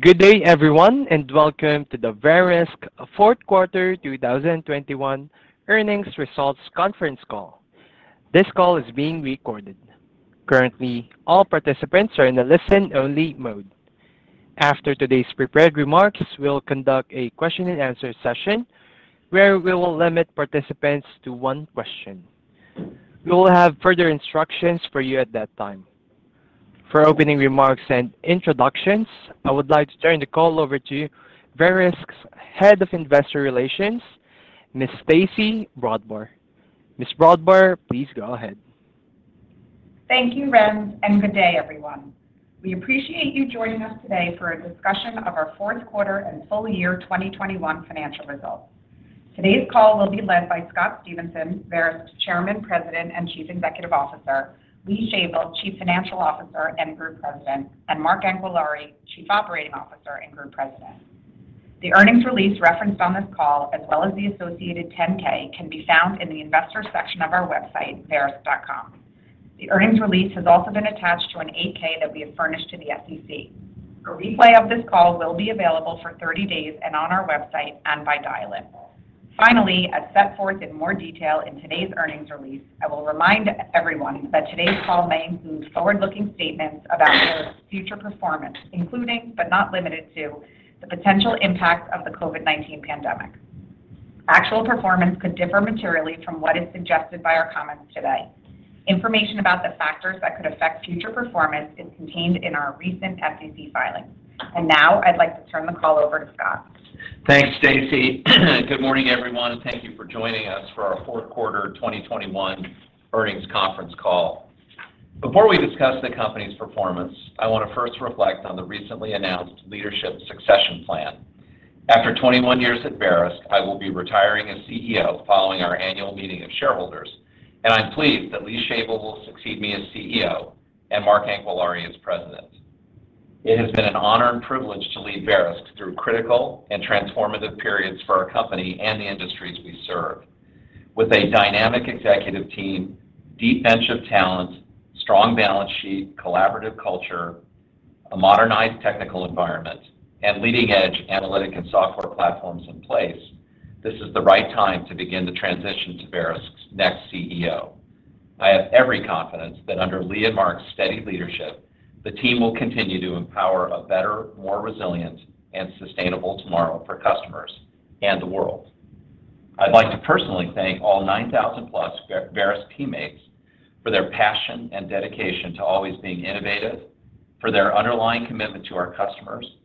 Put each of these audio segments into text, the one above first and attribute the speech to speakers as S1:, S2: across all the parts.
S1: Good day, everyone, and welcome to the Verisk Fourth Quarter 2021 Earnings Results Conference Call. This call is being recorded. Currently, all participants are in a listen-only mode. After today's prepared remarks, we'll conduct a question and answer session where we will limit participants to one question. We will have further instructions for you at that time. For opening remarks and introductions, I would like to turn the call over to Verisk's Head of Investor Relations, Ms. Stacey Brodbar. Ms. Brodbar, please go ahead.
S2: Thank you, Rem, and good day, everyone. We appreciate you joining us today for a discussion of our Fourth Quarter and Full-Year 2021 Financial Results. Today's call will be led by Scott Stephenson, Verisk's Chairman, President, and Chief Executive Officer, Lee Shavel, Chief Financial Officer and Group President, and Mark Anquillare, Chief Operating Officer and Group President. The earnings release referenced on this call, as well as the associated 10-K, can be found in the investors section of our website, verisk.com. The earnings release has also been attached to an 8-K that we have furnished to the SEC. A replay of this call will be available for 30 days and on our website and by dial-in. Finally, as set forth in more detail in today's earnings release, I will remind everyone that today's call may include forward-looking statements about Verisk's future performance, including, but not limited to, the potential impact of the COVID-19 pandemic. Actual performance could differ materially from what is suggested by our comments today. Information about the factors that could affect future performance is contained in our recent SEC filings. Now I'd like to turn the call over to Scott.
S3: Thanks, Stacey. Good morning, everyone, and thank you for joining us for our fourth quarter 2021 earnings conference call. Before we discuss the company's performance, I want to first reflect on the recently announced leadership succession plan. After 21 years at Verisk, I will be retiring as CEO following our annual meeting of shareholders, and I'm pleased that Lee Shavel will succeed me as CEO and Mark Anquillare as President. It has been an honor and privilege to lead Verisk through critical and transformative periods for our company and the industries we serve. With a dynamic executive team, deep bench of talent, strong balance sheet, collaborative culture, a modernized technical environment, and leading-edge analytic and software platforms in place, this is the right time to begin the transition to Verisk's next CEO. I have every confidence that under Lee and Mark's steady leadership, the team will continue to empower a better, more resilient, and sustainable tomorrow for customers and the world. I'd like to personally thank all 9,000+ Verisk teammates for their passion and dedication to always being innovative, for their underlying commitment to our customers,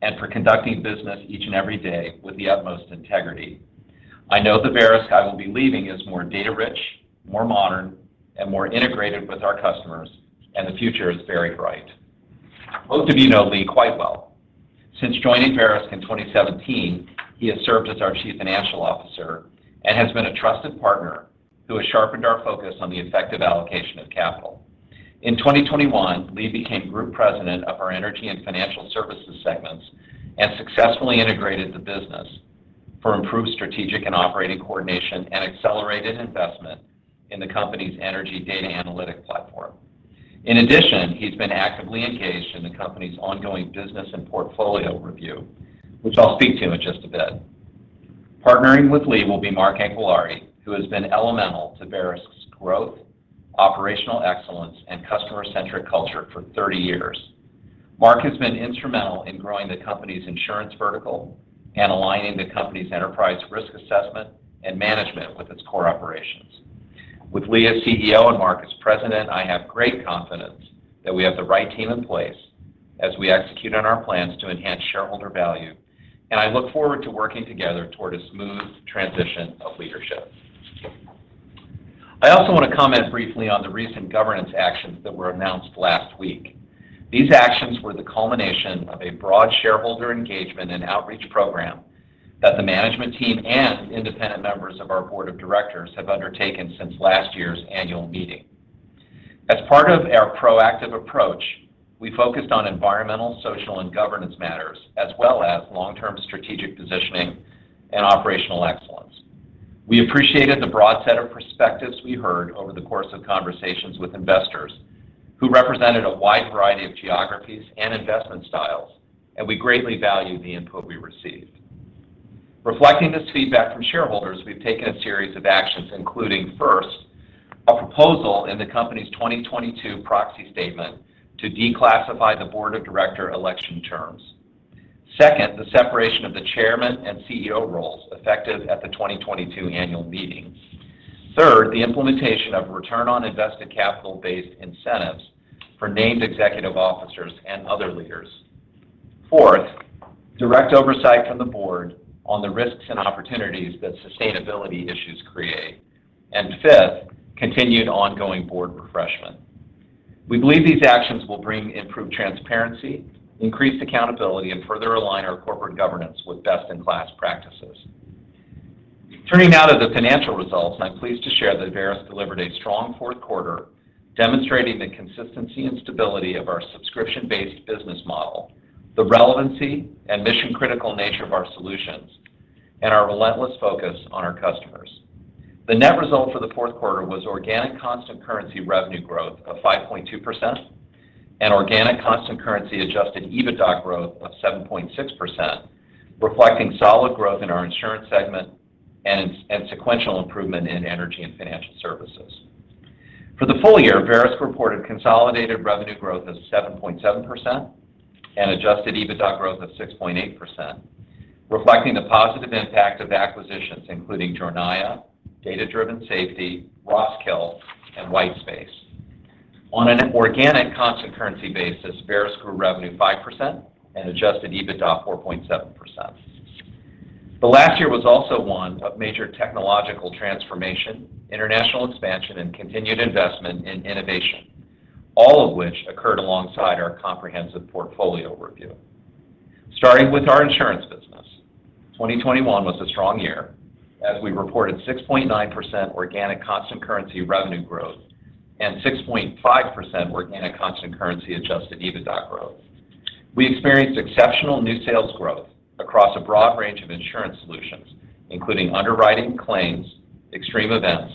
S3: and for conducting business each and every day with the utmost integrity. I know the Verisk I will be leaving is more data rich, more modern, and more integrated with our customers, and the future is very bright. Most of you know Lee quite well. Since joining Verisk in 2017, he has served as our Chief Financial Officer and has been a trusted partner who has sharpened our focus on the effective allocation of capital. In 2021, Lee became Group President of our Energy and Financial Services segments and successfully integrated the business for improved strategic and operating coordination and accelerated investment in the company's energy data analytic platform. In addition, he's been actively engaged in the company's ongoing business and portfolio review, which I'll speak to in just a bit. Partnering with Lee will be Mark Anquillare, who has been elemental to Verisk's growth, operational excellence, and customer-centric culture for 30 years. Mark has been instrumental in growing the company's insurance vertical and aligning the company's enterprise risk assessment and management with its core operations. With Lee as CEO and Mark as President, I have great confidence that we have the right team in place as we execute on our plans to enhance shareholder value, and I look forward to working together toward a smooth transition of leadership. I also want to comment briefly on the recent governance actions that were announced last week. These actions were the culmination of a broad shareholder engagement and outreach program that the management team and independent members of our board of directors have undertaken since last year's annual meeting. As part of our proactive approach, we focused on environmental, social, and governance matters, as well as long-term strategic positioning and operational excellence. We appreciated the broad set of perspectives we heard over the course of conversations with investors who represented a wide variety of geographies and investment styles, and we greatly value the input we received. Reflecting this feedback from shareholders, we've taken a series of actions, including, first, a proposal in the company's 2022 proxy statement to declassify the board of director election terms. Second, the separation of the chairman and CEO roles effective at the 2022 annual meeting. Third, the implementation of return on invested capital-based incentives for named executive officers and other leaders. Fourth, direct oversight from the board on the risks and opportunities that sustainability issues create. Fifth, continued ongoing board refreshment. We believe these actions will bring improved transparency, increased accountability, and further align our corporate governance with best-in-class practices. Turning now to the financial results, and I'm pleased to share that Verisk delivered a strong fourth quarter, demonstrating the consistency and stability of our subscription-based business model, the relevancy and mission-critical nature of our solutions, and our relentless focus on our customers. The net result for the fourth quarter was organic constant currency revenue growth of 5.2% and organic constant currency Adjusted EBITDA growth of 7.6%, reflecting solid growth in our insurance segment and sequential improvement in energy and financial services. For the full-year, Verisk reported consolidated revenue growth of 7.7% and Adjusted EBITDA growth of 6.8%, reflecting the positive impact of acquisitions, including Jornaya, Data Driven Safety, Roskill, and Whitespace. On an organic constant currency basis, Verisk grew revenue 5% and Adjusted EBITDA 4.7%. The last year was also one of major technological transformation, international expansion and continued investment in innovation, all of which occurred alongside our comprehensive portfolio review. Starting with our insurance business, 2021 was a strong year as we reported 6.9% organic constant currency revenue growth and 6.5% organic constant currency Adjusted EBITDA growth. We experienced exceptional new sales growth across a broad range of insurance solutions, including underwriting claims, extreme events,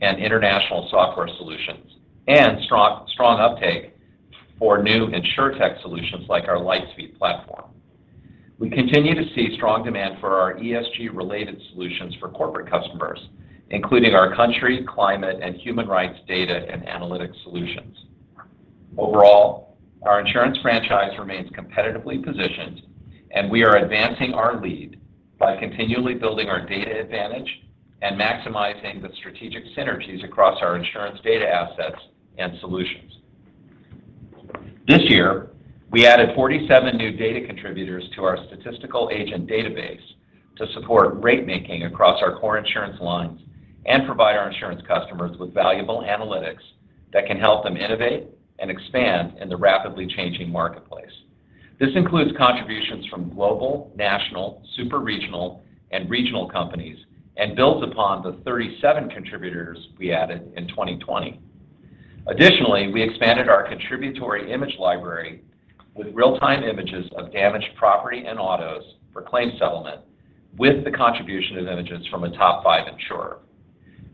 S3: and international software solutions, and strong uptake for new Insurtech solutions like our LightSpeed platform. We continue to see strong demand for our ESG-related solutions for corporate customers, including our country, climate, and human rights data and analytics solutions. Overall, our insurance franchise remains competitively positioned, and we are advancing our lead by continually building our data advantage and maximizing the strategic synergies across our insurance data assets and solutions. This year, we added 47 new data contributors to our statistical agent database to support rate making across our core insurance lines and provide our insurance customers with valuable analytics that can help them innovate and expand in the rapidly changing marketplace. This includes contributions from global, national, super regional, and regional companies and builds upon the 37 contributors we added in 2020. Additionally, we expanded our contributory image library with real-time images of damaged property and autos for claim settlement with the contribution of images from a top five insurer.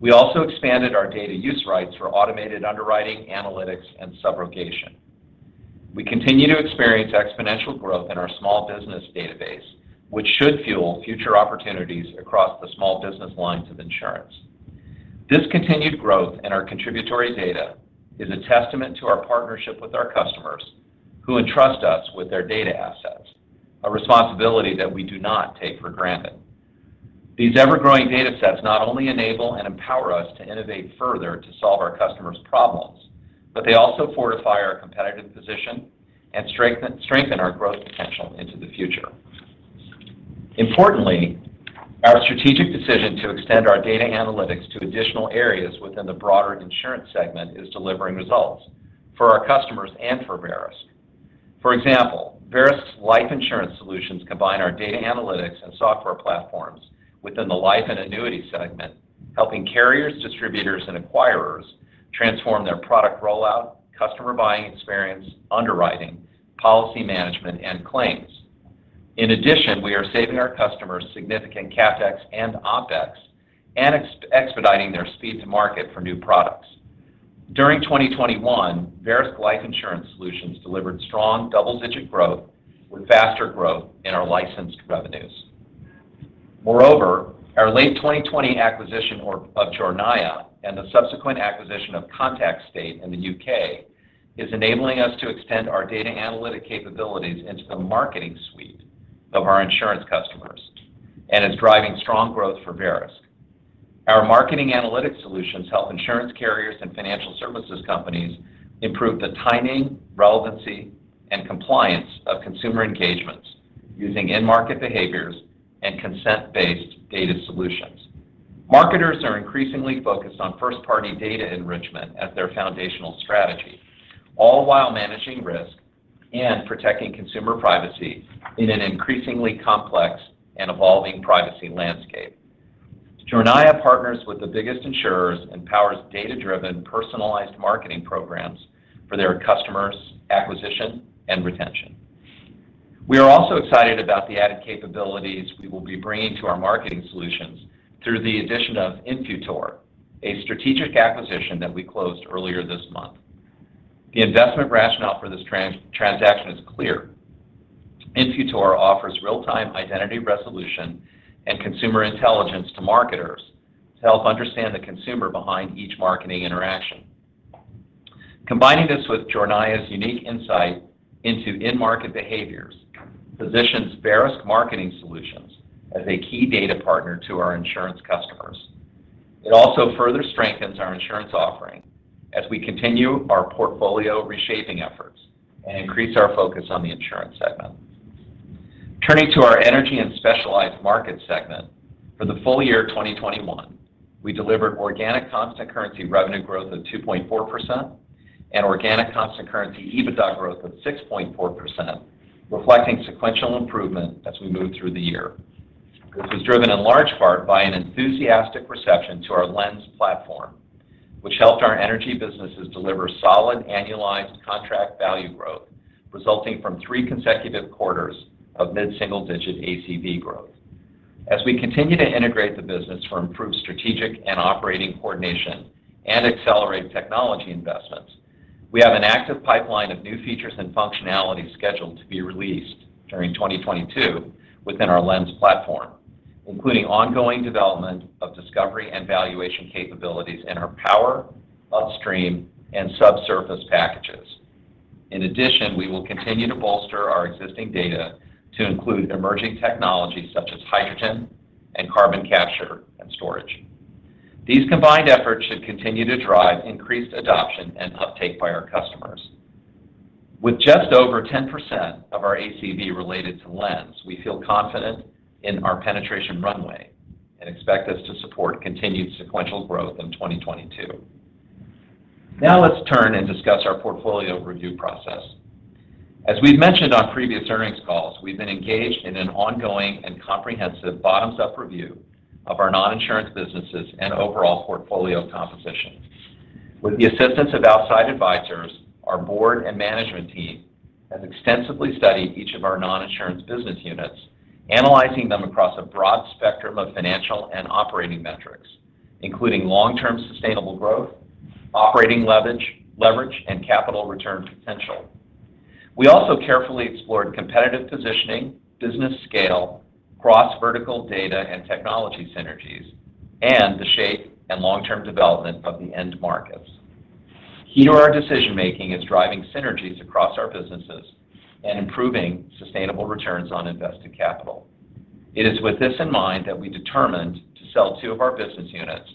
S3: We also expanded our data use rights for automated underwriting, analytics, and subrogation. We continue to experience exponential growth in our small business database, which should fuel future opportunities across the small business lines of insurance. This continued growth in our contributory data is a testament to our partnership with our customers who entrust us with their data assets, a responsibility that we do not take for granted. These ever-growing data sets not only enable and empower us to innovate further to solve our customers' problems, but they also fortify our competitive position and strengthen our growth potential into the future. Importantly, our strategic decision to extend our data analytics to additional areas within the broader insurance segment is delivering results for our customers and for Verisk. For example, Verisk's life insurance solutions combine our data analytics and software platforms within the life and annuity segment, helping carriers, distributors, and acquirers transform their product rollout, customer buying experience, underwriting, policy management, and claims. In addition, we are saving our customers significant CapEx and OpEx and expediting their speed to market for new products. During 2021, Verisk Life Insurance Solutions delivered strong double-digit growth with faster growth in our licensed revenues. Moreover, our late 2020 acquisition of Jornaya and the subsequent acquisition of Contact State in the U.K. is enabling us to extend our data analytics capabilities into the marketing suite of our insurance customers and is driving strong growth for Verisk. Our marketing analytics solutions help insurance carriers and financial services companies improve the timing, relevancy, and compliance of consumer engagements using in-market behaviors and consent-based data solutions. Marketers are increasingly focused on first-party data enrichment as their foundational strategy, all while managing risk and protecting consumer privacy in an increasingly complex and evolving privacy landscape. Jornaya partners with the biggest insurers and powers data-driven, personalized marketing programs for their customers' acquisition and retention. We are also excited about the added capabilities we will be bringing to our marketing solutions through the addition of Infutor, a strategic acquisition that we closed earlier this month. The investment rationale for this transaction is clear. Infutor offers real-time identity resolution and consumer intelligence to marketers to help understand the consumer behind each marketing interaction. Combining this with Jornaya's unique insight into in-market behaviors positions Verisk marketing solutions as a key data partner to our insurance customers. It also further strengthens our insurance offering as we continue our portfolio reshaping efforts and increase our focus on the insurance segment. Turning to our energy and specialized market segment, for the full-year 2021, we delivered organic constant currency revenue growth of 2.4% and organic constant currency EBITDA growth of 6.4%, reflecting sequential improvement as we moved through the year, which was driven in large part by an enthusiastic reception to our Lens platform, which helped our energy businesses deliver solid annualized contract value growth resulting from three consecutive quarters of mid-single-digit ACV growth. As we continue to integrate the business for improved strategic and operating coordination and accelerate technology investments, we have an active pipeline of new features and functionality scheduled to be released during 2022 within our Lens platform, including ongoing development of discovery and valuation capabilities in our power, upstream, and subsurface packages. In addition, we will continue to bolster our existing data to include emerging technologies such as hydrogen and carbon capture and storage. These combined efforts should continue to drive increased adoption and uptake by our customers. With just over 10% of our ACV related to Lens, we feel confident in our penetration runway and expect this to support continued sequential growth in 2022. Now let's turn and discuss our portfolio review process. As we've mentioned on previous earnings calls, we've been engaged in an ongoing and comprehensive bottoms-up review of our non-insurance businesses and overall portfolio composition. With the assistance of outside advisors, our board and management team has extensively studied each of our non-insurance business units, analyzing them across a broad spectrum of financial and operating metrics, including long-term sustainable growth, operating leverage and capital return potential. We also carefully explored competitive positioning, business scale, cross-vertical data and technology synergies, and the shape and long-term development of the end markets. Key to our decision-making is driving synergies across our businesses and improving sustainable returns on invested capital. It is with this in mind that we determined to sell two of our business units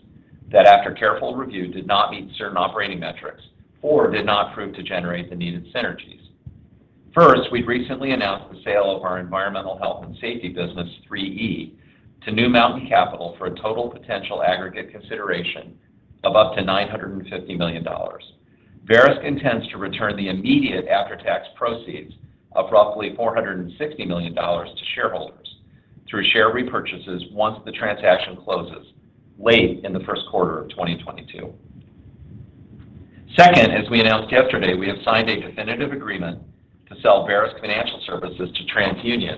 S3: that after careful review did not meet certain operating metrics or did not prove to generate the needed synergies. First, we recently announced the sale of our environmental health and safety business, 3E, to New Mountain Capital for a total potential aggregate consideration of up to $950 million. Verisk intends to return the immediate after-tax proceeds of roughly $460 million to shareholders through share repurchases once the transaction closes late in the first quarter of 2022. Second, as we announced yesterday, we have signed a definitive agreement to sell Verisk Financial Services to TransUnion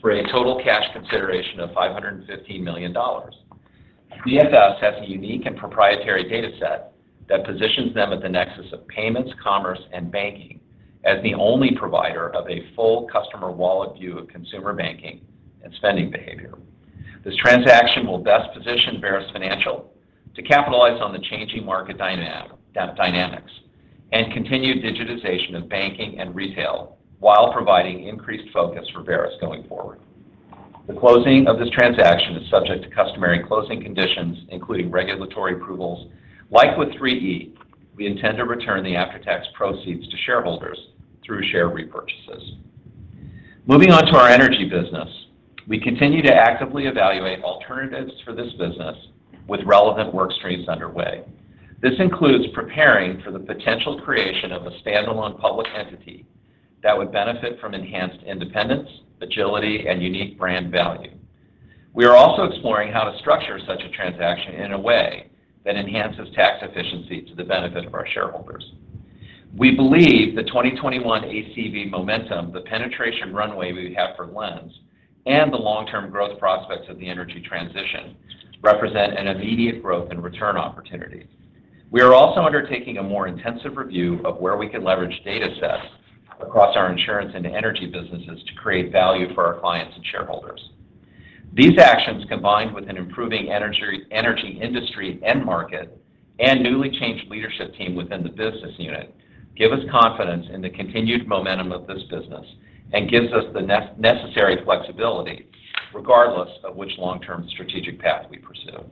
S3: for a total cash consideration of $550 million. VFS has a unique and proprietary data set that positions them at the nexus of payments, commerce, and banking as the only provider of a full customer wallet view of consumer banking and spending behavior. This transaction will best position Verisk Financial to capitalize on the changing market dynamics and continued digitization of banking and retail while providing increased focus for Verisk going forward. The closing of this transaction is subject to customary closing conditions, including regulatory approvals. Like with 3E, we intend to return the after-tax proceeds to shareholders through share repurchases. Moving on to our energy business, we continue to actively evaluate alternatives for this business with relevant work streams underway. This includes preparing for the potential creation of a standalone public entity that would benefit from enhanced independence, agility, and unique brand value. We are also exploring how to structure such a transaction in a way that enhances tax efficiency to the benefit of our shareholders. We believe the 2021 ACV momentum, the penetration runway we have for Lens, and the long-term growth prospects of the energy transition represent an immediate growth and return opportunity. We are also undertaking a more intensive review of where we can leverage data sets across our insurance and energy businesses to create value for our clients and shareholders. These actions, combined with an improving energy industry end market and newly changed leadership team within the business unit, give us confidence in the continued momentum of this business and gives us the necessary flexibility regardless of which long-term strategic path we pursue.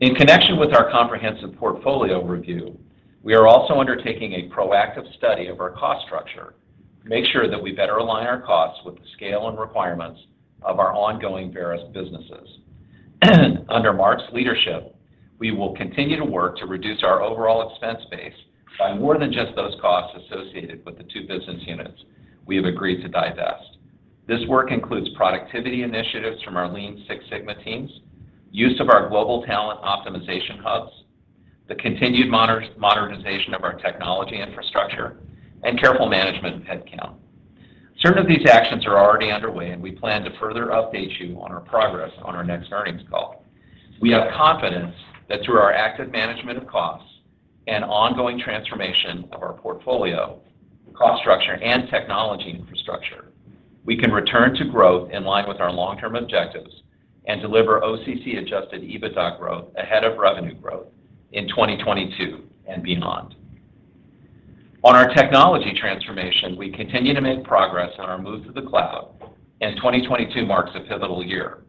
S3: In connection with our comprehensive portfolio review, we are also undertaking a proactive study of our cost structure to make sure that we better align our costs with the scale and requirements of our ongoing Verisk businesses. Under Mark's leadership, we will continue to work to reduce our overall expense base by more than just those costs associated with the two business units we have agreed to divest. This work includes productivity initiatives from our Lean Six Sigma teams, use of our global talent optimization hubs, the continued modernization of our technology infrastructure, and careful management of headcount. Certain of these actions are already underway, and we plan to further update you on our progress on our next earnings call. We have confidence that through our active management of costs and ongoing transformation of our portfolio, cost structure, and technology infrastructure, we can return to growth in line with our long-term objectives and deliver OCC Adjusted EBITDA growth ahead of revenue growth in 2022 and beyond. On our technology transformation, we continue to make progress on our move to the cloud, and 2022 marks a pivotal year.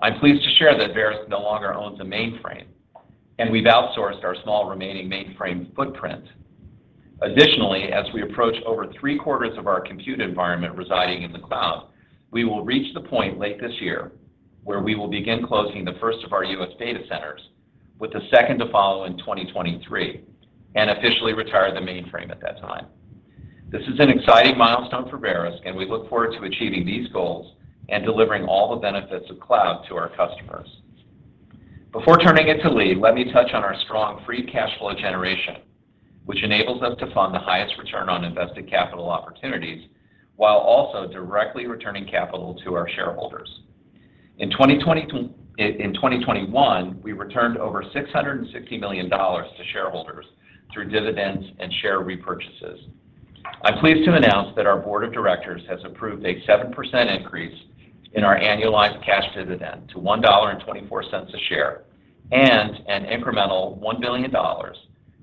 S3: I'm pleased to share that Verisk no longer owns a mainframe, and we've outsourced our small remaining mainframe footprint. Additionally, as we approach over three-quarters of our compute environment residing in the cloud, we will reach the point late this year where we will begin closing the first of our U.S. data centers, with the second to follow in 2023 and officially retire the mainframe at that time. This is an exciting milestone for Verisk, and we look forward to achieving these goals and delivering all the benefits of cloud to our customers. Before turning it to Lee, let me touch on our strong free cash flow generation, which enables us to fund the highest return on invested capital opportunities while also directly returning capital to our shareholders. In 2021, we returned over $660 million to shareholders through dividends and share repurchases. I'm pleased to announce that our board of directors has approved a 7% increase in our annualized cash dividend to $1.24 a share and an incremental $1 billion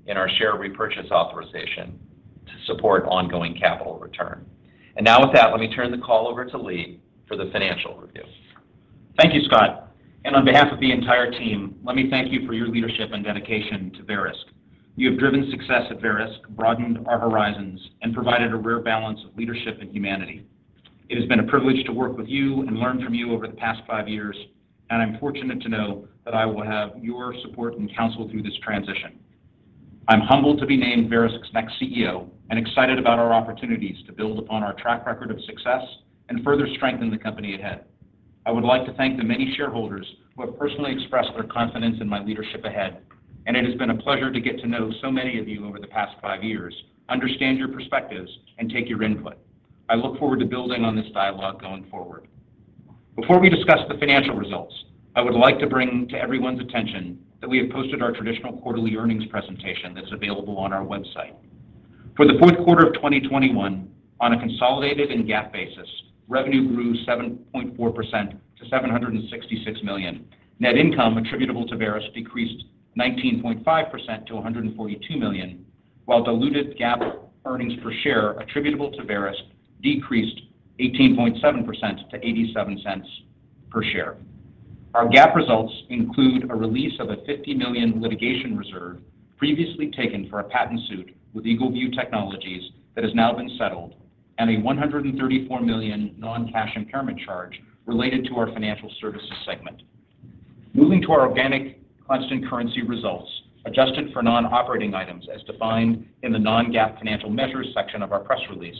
S3: in our share repurchase authorization to support ongoing capital return. Now with that, let me turn the call over to Lee for the financial review.
S4: Thank you, Scott. On behalf of the entire team, let me thank you for your leadership and dedication to Verisk. You have driven success at Verisk, broadened our horizons, and provided a rare balance of leadership and humanity. It has been a privilege to work with you and learn from you over the past five years, and I'm fortunate to know that I will have your support and counsel through this transition. I'm humbled to be named Verisk's next CEO and excited about our opportunities to build upon our track record of success and further strengthen the company ahead. I would like to thank the many shareholders who have personally expressed their confidence in my leadership ahead, and it has been a pleasure to get to know so many of you over the past five years, understand your perspectives, and take your input. I look forward to building on this dialogue going forward. Before we discuss the financial results, I would like to bring to everyone's attention that we have posted our traditional quarterly earnings presentation that's available on our website. For the fourth quarter of 2021, on a consolidated and GAAP basis, revenue grew 7.4% to $766 million. Net income attributable to Verisk decreased 19.5% to $142 million, while diluted GAAP earnings per share attributable to Verisk decreased 18.7% to $0.87 per share. Our GAAP results include a release of a $50 million litigation reserve previously taken for a patent suit with EagleView Technology Corporation that has now been settled and a $134 million non-cash impairment charge related to our Verisk Financial Services segment. Moving to our organic constant currency results, adjusted for non-operating items as defined in the non-GAAP financial measures section of our press release,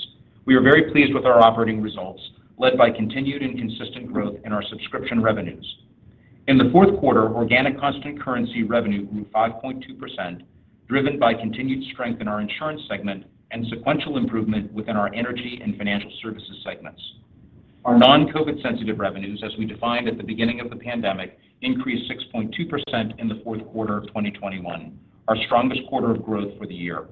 S4: we are very pleased with our operating results, led by continued and consistent growth in our subscription revenues. In the fourth quarter, organic constant currency revenue grew 5.2%, driven by continued strength in our insurance segment and sequential improvement within our energy and financial services segments. Our non-COVID-sensitive revenues, as we defined at the beginning of the pandemic, increased 6.2% in the fourth quarter of 2021, our strongest quarter of growth for the year.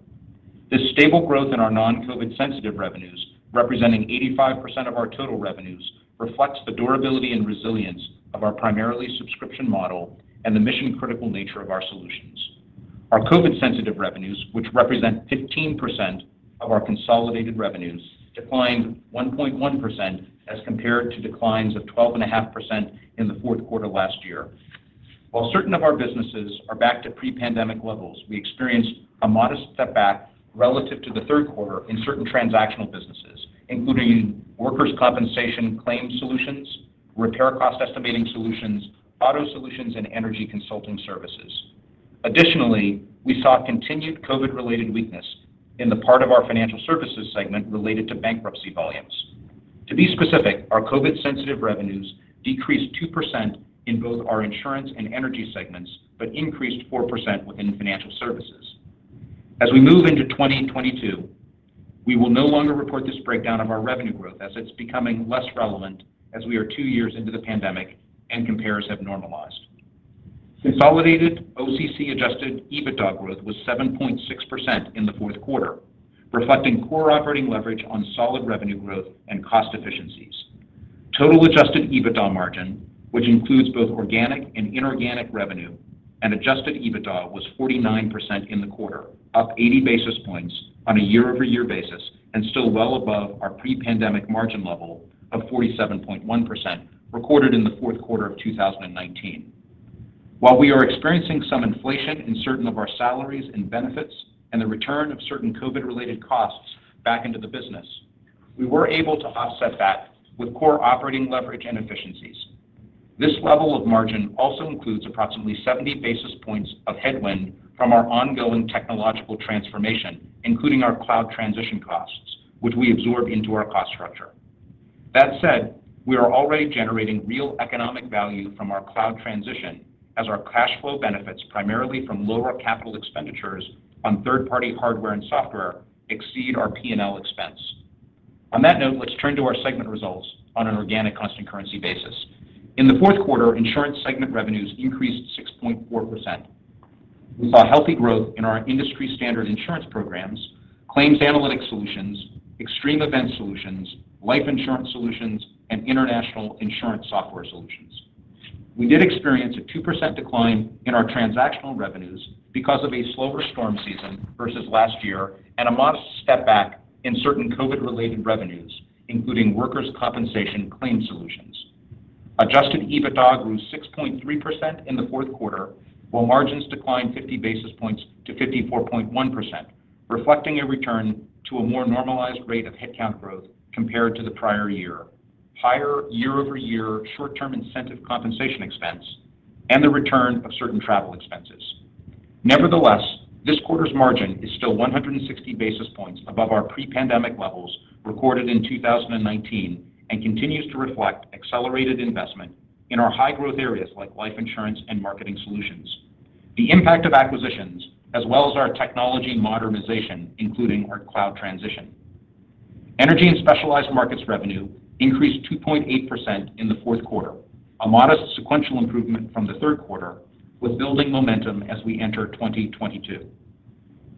S4: This stable growth in our non-COVID-sensitive revenues, representing 85% of our total revenues, reflects the durability and resilience of our primarily subscription model and the mission-critical nature of our solutions. Our COVID-sensitive revenues, which represent 15% of our consolidated revenues, declined 1.1% as compared to declines of 12.5% in the fourth quarter last year. While certain of our businesses are back to pre-pandemic levels, we experienced a modest setback relative to the third quarter in certain transactional businesses, including workers' compensation claim solutions, repair cost estimating solutions, auto solutions, and energy consulting services. Additionally, we saw continued COVID-related weakness in the part of our financial services segment related to bankruptcy volumes. To be specific, our COVID-sensitive revenues decreased 2% in both our insurance and energy segments, but increased 4% within financial services. As we move into 2022, we will no longer report this breakdown of our revenue growth as it's becoming less relevant as we are two years into the pandemic and compares have normalized. Consolidated OCC Adjusted EBITDA growth was 7.6% in the fourth quarter, reflecting core operating leverage on solid revenue growth and cost efficiencies. Total Adjusted EBITDA margin, which includes both organic and inorganic revenue and Adjusted EBITDA, was 49% in the quarter, up 80 basis points on a year-over-year basis and still well above our pre-pandemic margin level of 47.1% recorded in the fourth quarter of 2019. While we are experiencing some inflation in certain of our salaries and benefits and the return of certain COVID-related costs back into the business, we were able to offset that with core operating leverage and efficiencies. This level of margin also includes approximately 70 basis points of headwind from our ongoing technological transformation, including our cloud transition costs, which we absorb into our cost structure. That said, we are already generating real economic value from our cloud transition as our cash flow benefits primarily from lower capital expenditures on third-party hardware and software exceed our P&L expense. On that note, let's turn to our segment results on an organic constant currency basis. In the fourth quarter, insurance segment revenues increased 6.4%. We saw healthy growth in our industry standard insurance programs, claims analytics solutions, extreme event solutions, life insurance solutions, and international insurance software solutions. We did experience a 2% decline in our transactional revenues because of a slower storm season versus last year and a modest step back in certain COVID-related revenues, including workers' compensation claim solutions. Adjusted EBITDA grew 6.3% in the fourth quarter, while margins declined 50 basis points to 54.1%, reflecting a return to a more normalized rate of headcount growth compared to the prior year, higher year-over-year short-term incentive compensation expense, and the return of certain travel expenses. Nevertheless, this quarter's margin is still 160 basis points above our pre-pandemic levels recorded in 2019 and continues to reflect accelerated investment in our high-growth areas like life insurance and marketing solutions, the impact of acquisitions, as well as our technology modernization, including our cloud transition. Energy and specialized markets revenue increased 2.8% in the fourth quarter, a modest sequential improvement from the third quarter with building momentum as we enter 2022.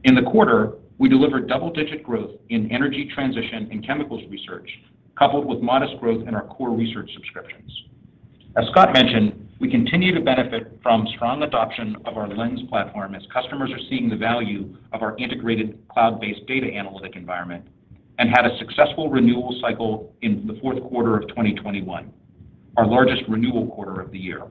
S4: In the quarter, we delivered double-digit growth in energy transition and chemicals research, coupled with modest growth in our core research subscriptions. As Scott mentioned, we continue to benefit from strong adoption of our Lens platform as customers are seeing the value of our integrated cloud-based data analytic environment and had a successful renewal cycle in the fourth quarter of 2021, our largest renewal quarter of the year.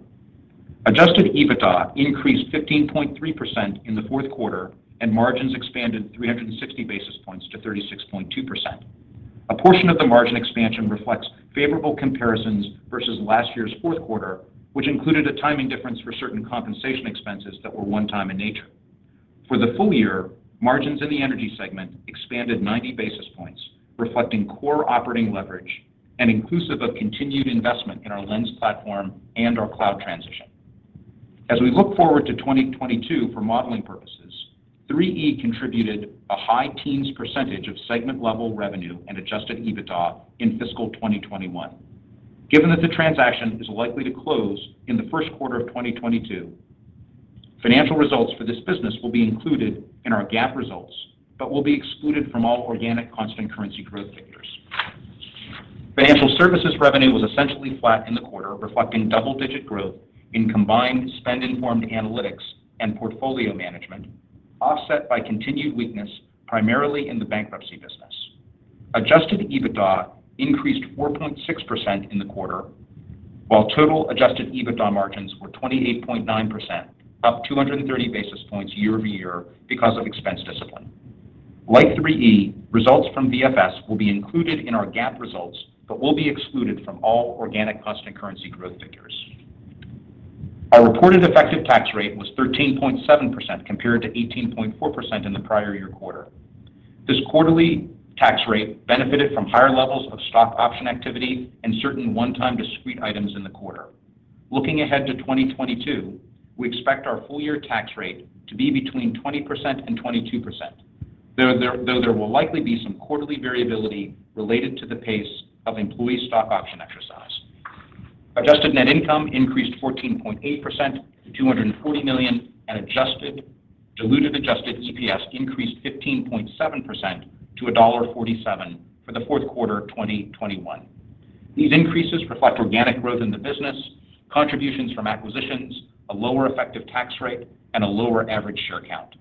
S4: Adjusted EBITDA increased 15.3% in the fourth quarter, and margins expanded 360 basis points to 36.2%. A portion of the margin expansion reflects favorable comparisons versus last year's fourth quarter, which included a timing difference for certain compensation expenses that were one-time in nature. For the full-year, margins in the energy segment expanded 90 basis points, reflecting core operating leverage and inclusive of continued investment in our Lens platform and our cloud transition. As we look forward to 2022 for modeling purposes, 3E contributed a high teens % of segment-level revenue and Adjusted EBITDA in fiscal 2021. Given that the transaction is likely to close in the first quarter of 2022, financial results for this business will be included in our GAAP results but will be excluded from all organic constant currency growth figures. Financial services revenue was essentially flat in the quarter, reflecting double-digit growth in combined spend-informed analytics and portfolio management, offset by continued weakness primarily in the bankruptcy business. Adjusted EBITDA increased 4.6% in the quarter, while total Adjusted EBITDA margins were 28.9%, up 230 basis points year-over-year because of expense discipline. Like 3E, results from VFS will be included in our GAAP results but will be excluded from all organic constant currency growth figures. Our reported effective tax rate was 13.7% compared to 18.4% in the prior year quarter. This quarterly tax rate benefited from higher levels of stock option activity and certain one-time discrete items in the quarter. Looking ahead to 2022, we expect our full-year tax rate to be between 20% and 22%, though there will likely be some quarterly variability related to the pace of employee stock option exercise. Adjusted net income increased 14.8% to $240 million, and adjusted diluted EPS increased 15.7% to $1.47 for the fourth quarter of 2021. These increases reflect organic growth in the business, contributions from acquisitions, a lower effective tax rate, and a lower average share count.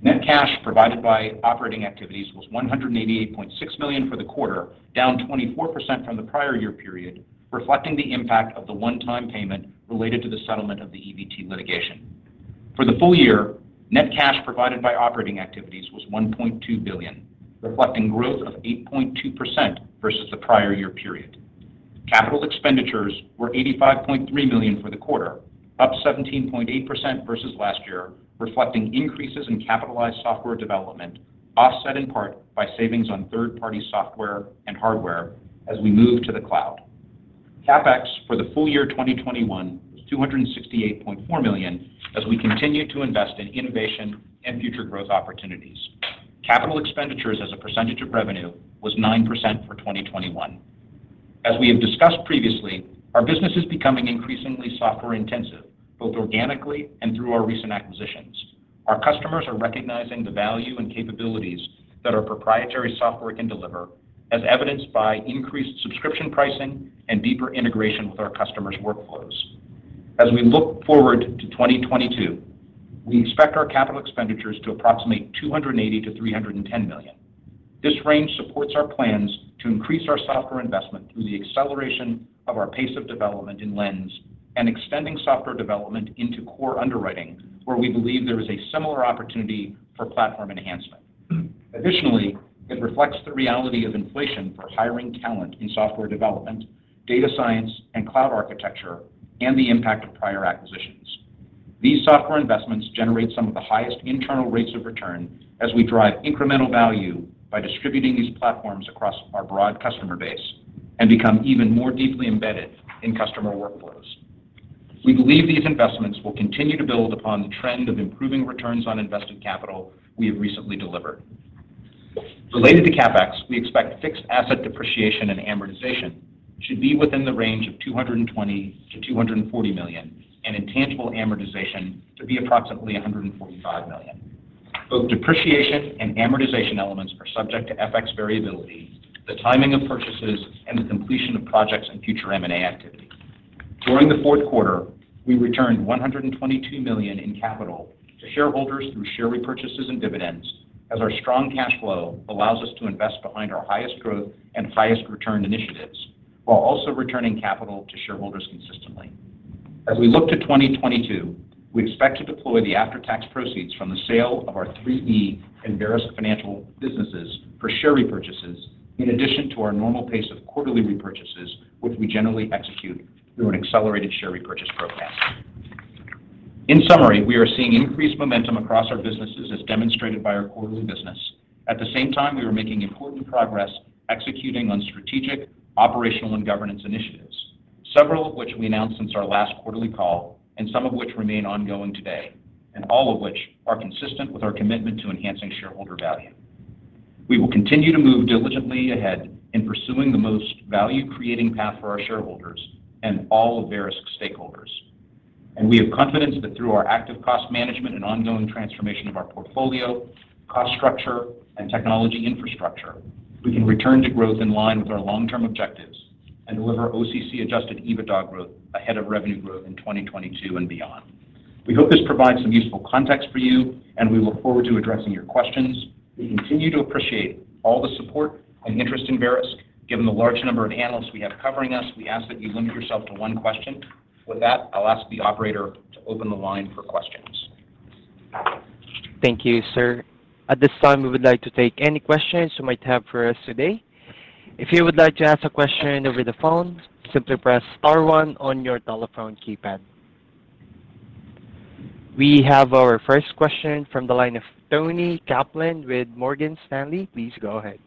S4: Net cash provided by operating activities was $188.6 million for the quarter, down 24% from the prior year period, reflecting the impact of the one-time payment related to the settlement of the EVT litigation. For the full year, net cash provided by operating activities was $1.2 billion, reflecting growth of 8.2% versus the prior year period. Capital expenditures were $85.3 million for the quarter, up 17.8% versus last year, reflecting increases in capitalized software development offset in part by savings on third-party software and hardware as we move to the cloud. CapEx for the full year 2021 was $268.4 million as we continue to invest in innovation and future growth opportunities. Capital expenditures as a percentage of revenue was 9% for 2021. As we have discussed previously, our business is becoming increasingly software-intensive, both organically and through our recent acquisitions. Our customers are recognizing the value and capabilities that our proprietary software can deliver, as evidenced by increased subscription pricing and deeper integration with our customers' workflows. As we look forward to 2022, we expect our capital expenditures to approximate $280 million-$310 million. This range supports our plans to increase our software investment through the acceleration of our pace of development in Lens and extending software development into core underwriting, where we believe there is a similar opportunity for platform enhancement. Additionally, it reflects the reality of inflation for hiring talent in software development, data science, and cloud architecture, and the impact of prior acquisitions. These software investments generate some of the highest internal rates of return as we drive incremental value by distributing these platforms across our broad customer base and become even more deeply embedded in customer workflows. We believe these investments will continue to build upon the trend of improving returns on invested capital we have recently delivered. Related to CapEx, we expect fixed asset depreciation and amortization should be within the range of $220 million-$240 million and intangible amortization to be approximately $145 million. Both depreciation and amortization elements are subject to FX variability, the timing of purchases, and the completion of projects and future M&A activity. During the fourth quarter, we returned $122 million in capital to shareholders through share repurchases and dividends as our strong cash flow allows us to invest behind our highest growth and highest return initiatives while also returning capital to shareholders consistently. As we look to 2022, we expect to deploy the after-tax proceeds from the sale of our 3E and Verisk Financial Services businesses for share repurchases in addition to our normal pace of quarterly repurchases, which we generally execute through an accelerated share repurchase program. In summary, we are seeing increased momentum across our businesses as demonstrated by our quarterly business. At the same time, we are making important progress executing on strategic, operational, and governance initiatives, several of which we announced since our last quarterly call, and some of which remain ongoing today, and all of which are consistent with our commitment to enhancing shareholder value. We will continue to move diligently ahead in pursuing the most value-creating path for our shareholders and all of Verisk stakeholders. We have confidence that through our active cost management and ongoing transformation of our portfolio, cost structure, and technology infrastructure, we can return to growth in line with our long-term objectives and deliver OCC Adjusted EBITDA growth ahead of revenue growth in 2022 and beyond. We hope this provides some useful context for you, and we look forward to addressing your questions. We continue to appreciate all the support and interest in Verisk. Given the large number of analysts we have covering us, we ask that you limit yourself to one question. With that, I'll ask the operator to open the line for questions.
S1: Thank you, sir. At this time, we would like to take any questions you might have for us today. If you would like to ask a question over the phone, simply press star one on your telephone keypad. We have our first question from the line of Toni Kaplan with Morgan Stanley. Please go ahead.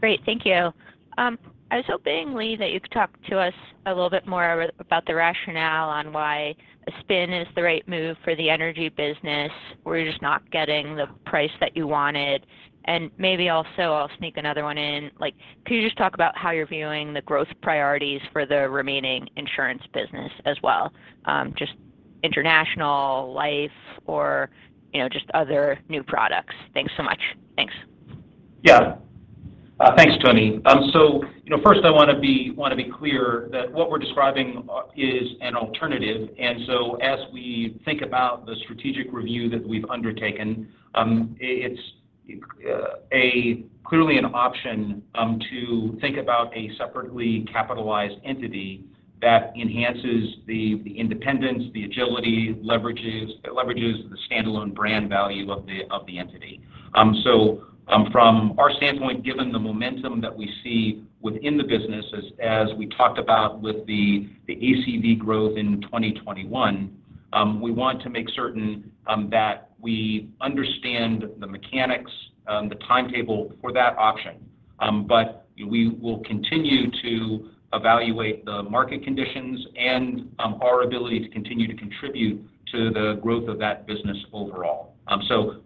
S5: Great. Thank you. I was hoping, Lee, that you could talk to us a little bit more about the rationale on why a spin is the right move for the energy business. Were you just not getting the price that you wanted? Maybe also I'll sneak another one in. Like, could you just talk about how you're viewing the growth priorities for the remaining insurance business as well? Just international, life or, you know, just other new products. Thanks so much. Thanks.
S4: Yeah. Thanks, Toni. You know, first I want to be clear that what we're describing is an alternative. As we think about the strategic review that we've undertaken, it's clearly an option to think about a separately capitalized entity that enhances the independence, the agility, leverages the standalone brand value of the entity. From our standpoint, given the momentum that we see within the business as we talked about with the ACV growth in 2021, we want to make certain that we understand the mechanics, the timetable for that option. We will continue to evaluate the market conditions and our ability to continue to contribute to the growth of that business overall.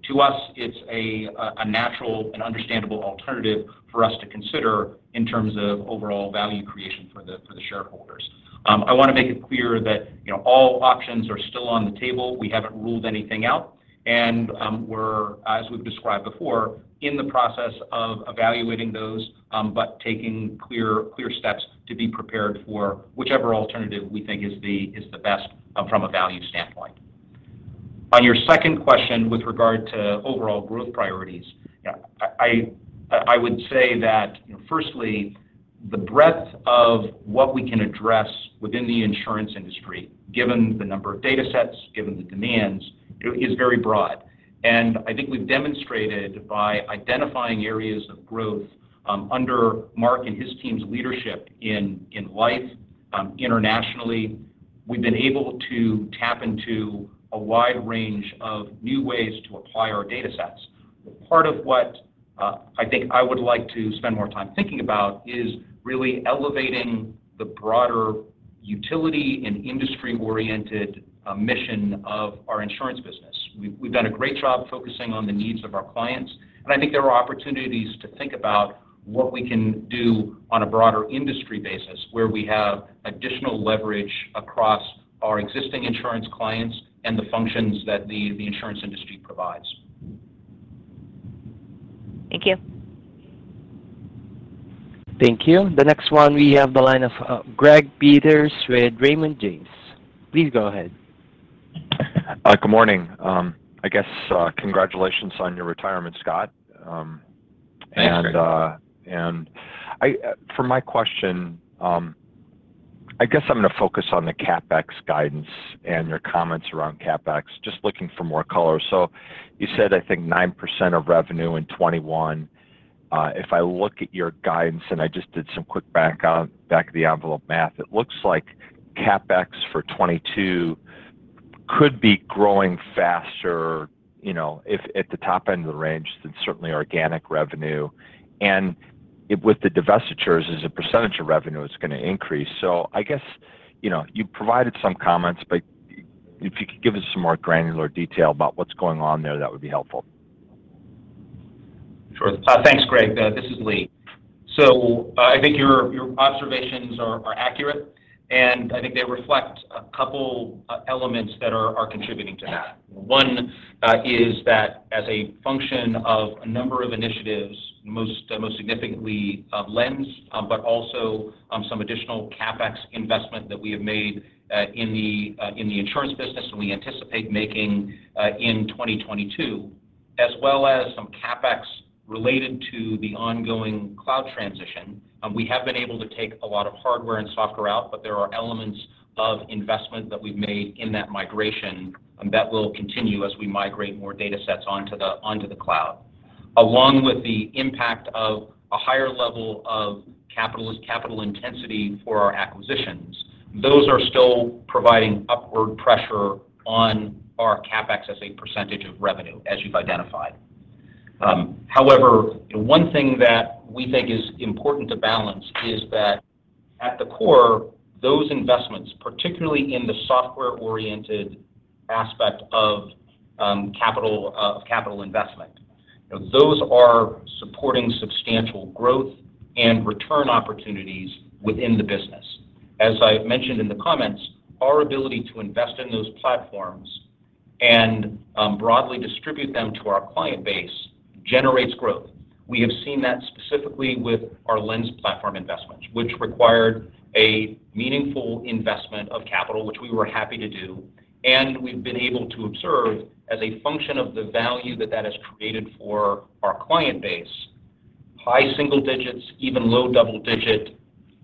S4: To us, it's a natural and understandable alternative for us to consider in terms of overall value creation for the shareholders. I want to make it clear that, you know, all options are still on the table. We haven't ruled anything out, and we're, as we've described before, in the process of evaluating those, but taking clear steps to be prepared for whichever alternative we think is the best from a value standpoint. On your second question with regard to overall growth priorities, yeah, I would say that firstly, the breadth of what we can address within the insurance industry, given the number of datasets, given the demands, is very broad. I think we've demonstrated by identifying areas of growth under Mark and his team's leadership in life internationally, we've been able to tap into a wide range of new ways to apply our datasets. Part of what I think I would like to spend more time thinking about is really elevating the broader utility and industry-oriented mission of our insurance business. We've done a great job focusing on the needs of our clients, and I think there are opportunities to think about what we can do on a broader industry basis where we have additional leverage across our existing insurance clients and the functions that the insurance industry provides.
S5: Thank you.
S1: Thank you. The next one, we have the line of, Greg Peters with Raymond James. Please go ahead.
S6: Good morning. I guess, congratulations on your retirement, Scott. For my question, I guess I'm gonna focus on the CapEx guidance and your comments around CapEx, just looking for more color. You said, I think 9% of revenue in 2021. If I look at your guidance, and I just did some quick back-of-the-envelope math, it looks like CapEx for 2022 could be growing faster, you know, if at the top end of the range than certainly organic revenue. With the divestitures, as a percentage of revenue, it's going to increase. I guess, you know, you provided some comments, but if you could give us some more granular detail about what's going on there, that would be helpful.
S4: Sure. Thanks, Greg. This is Lee. I think your observations are accurate, and I think they reflect a couple elements that are contributing to that. One is that as a function of a number of initiatives, most significantly, Lens, but also some additional CapEx investment that we have made in the insurance business and we anticipate making in 2022, as well as some CapEx related to the ongoing cloud transition. We have been able to take a lot of hardware and software out, but there are elements of investment that we've made in that migration that will continue as we migrate more datasets onto the cloud. Along with the impact of a higher level of capital intensity for our acquisitions, those are still providing upward pressure on our CapEx as a percentage of revenue, as you've identified. However, one thing that we think is important to balance is that at the core, those investments, particularly in the software-oriented aspect of capital investment, those are supporting substantial growth and return opportunities within the business. As I mentioned in the comments, our ability to invest in those platforms and broadly distribute them to our client base generates growth. We have seen that specifically with our Lens platform investments, which required a meaningful investment of capital, which we were happy to do. We've been able to observe as a function of the value that has created for our client base, high single-digit%, even low double-digit%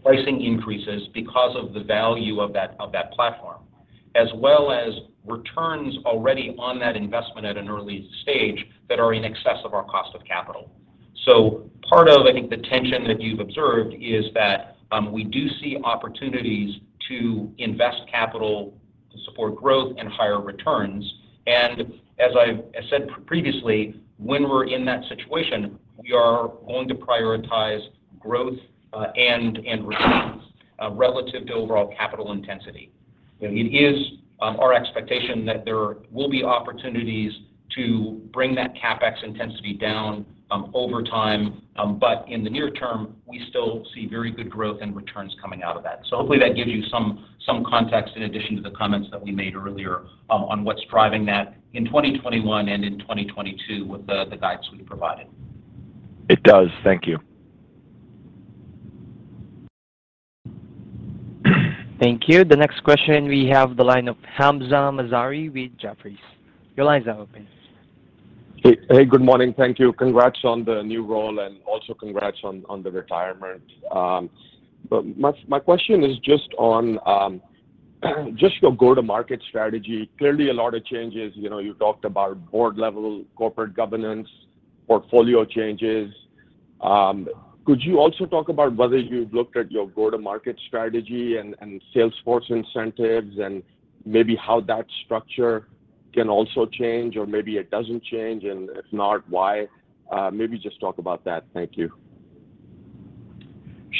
S4: pricing increases because of the value of that platform, as well as returns already on that investment at an early stage that are in excess of our cost of capital. Part of, I think, the tension that you've observed is that we do see opportunities to invest capital to support growth and higher returns. As I've said previously, when we're in that situation, we are going to prioritize growth and returns relative to overall capital intensity. It is our expectation that there will be opportunities to bring that CapEx intensity down over time. In the near term, we still see very good growth and returns coming out of that. Hopefully that gives you some context in addition to the comments that we made earlier, on what's driving that in 2021 and in 2022 with the guides we provided.
S6: It does. Thank you.
S1: Thank you. The next question we have the line of Hamzah Mazari with Jefferies. Your line's open.
S7: Hey, good morning. Thank you. Congrats on the new role and also congrats on the retirement. My question is just on your go-to-market strategy. Clearly a lot of changes. You know, you talked about board level corporate governance, portfolio changes. Could you also talk about whether you've looked at your go-to-market strategy and sales force incentives and maybe how that structure can also change, or maybe it doesn't change, and if not, why? Maybe just talk about that. Thank you.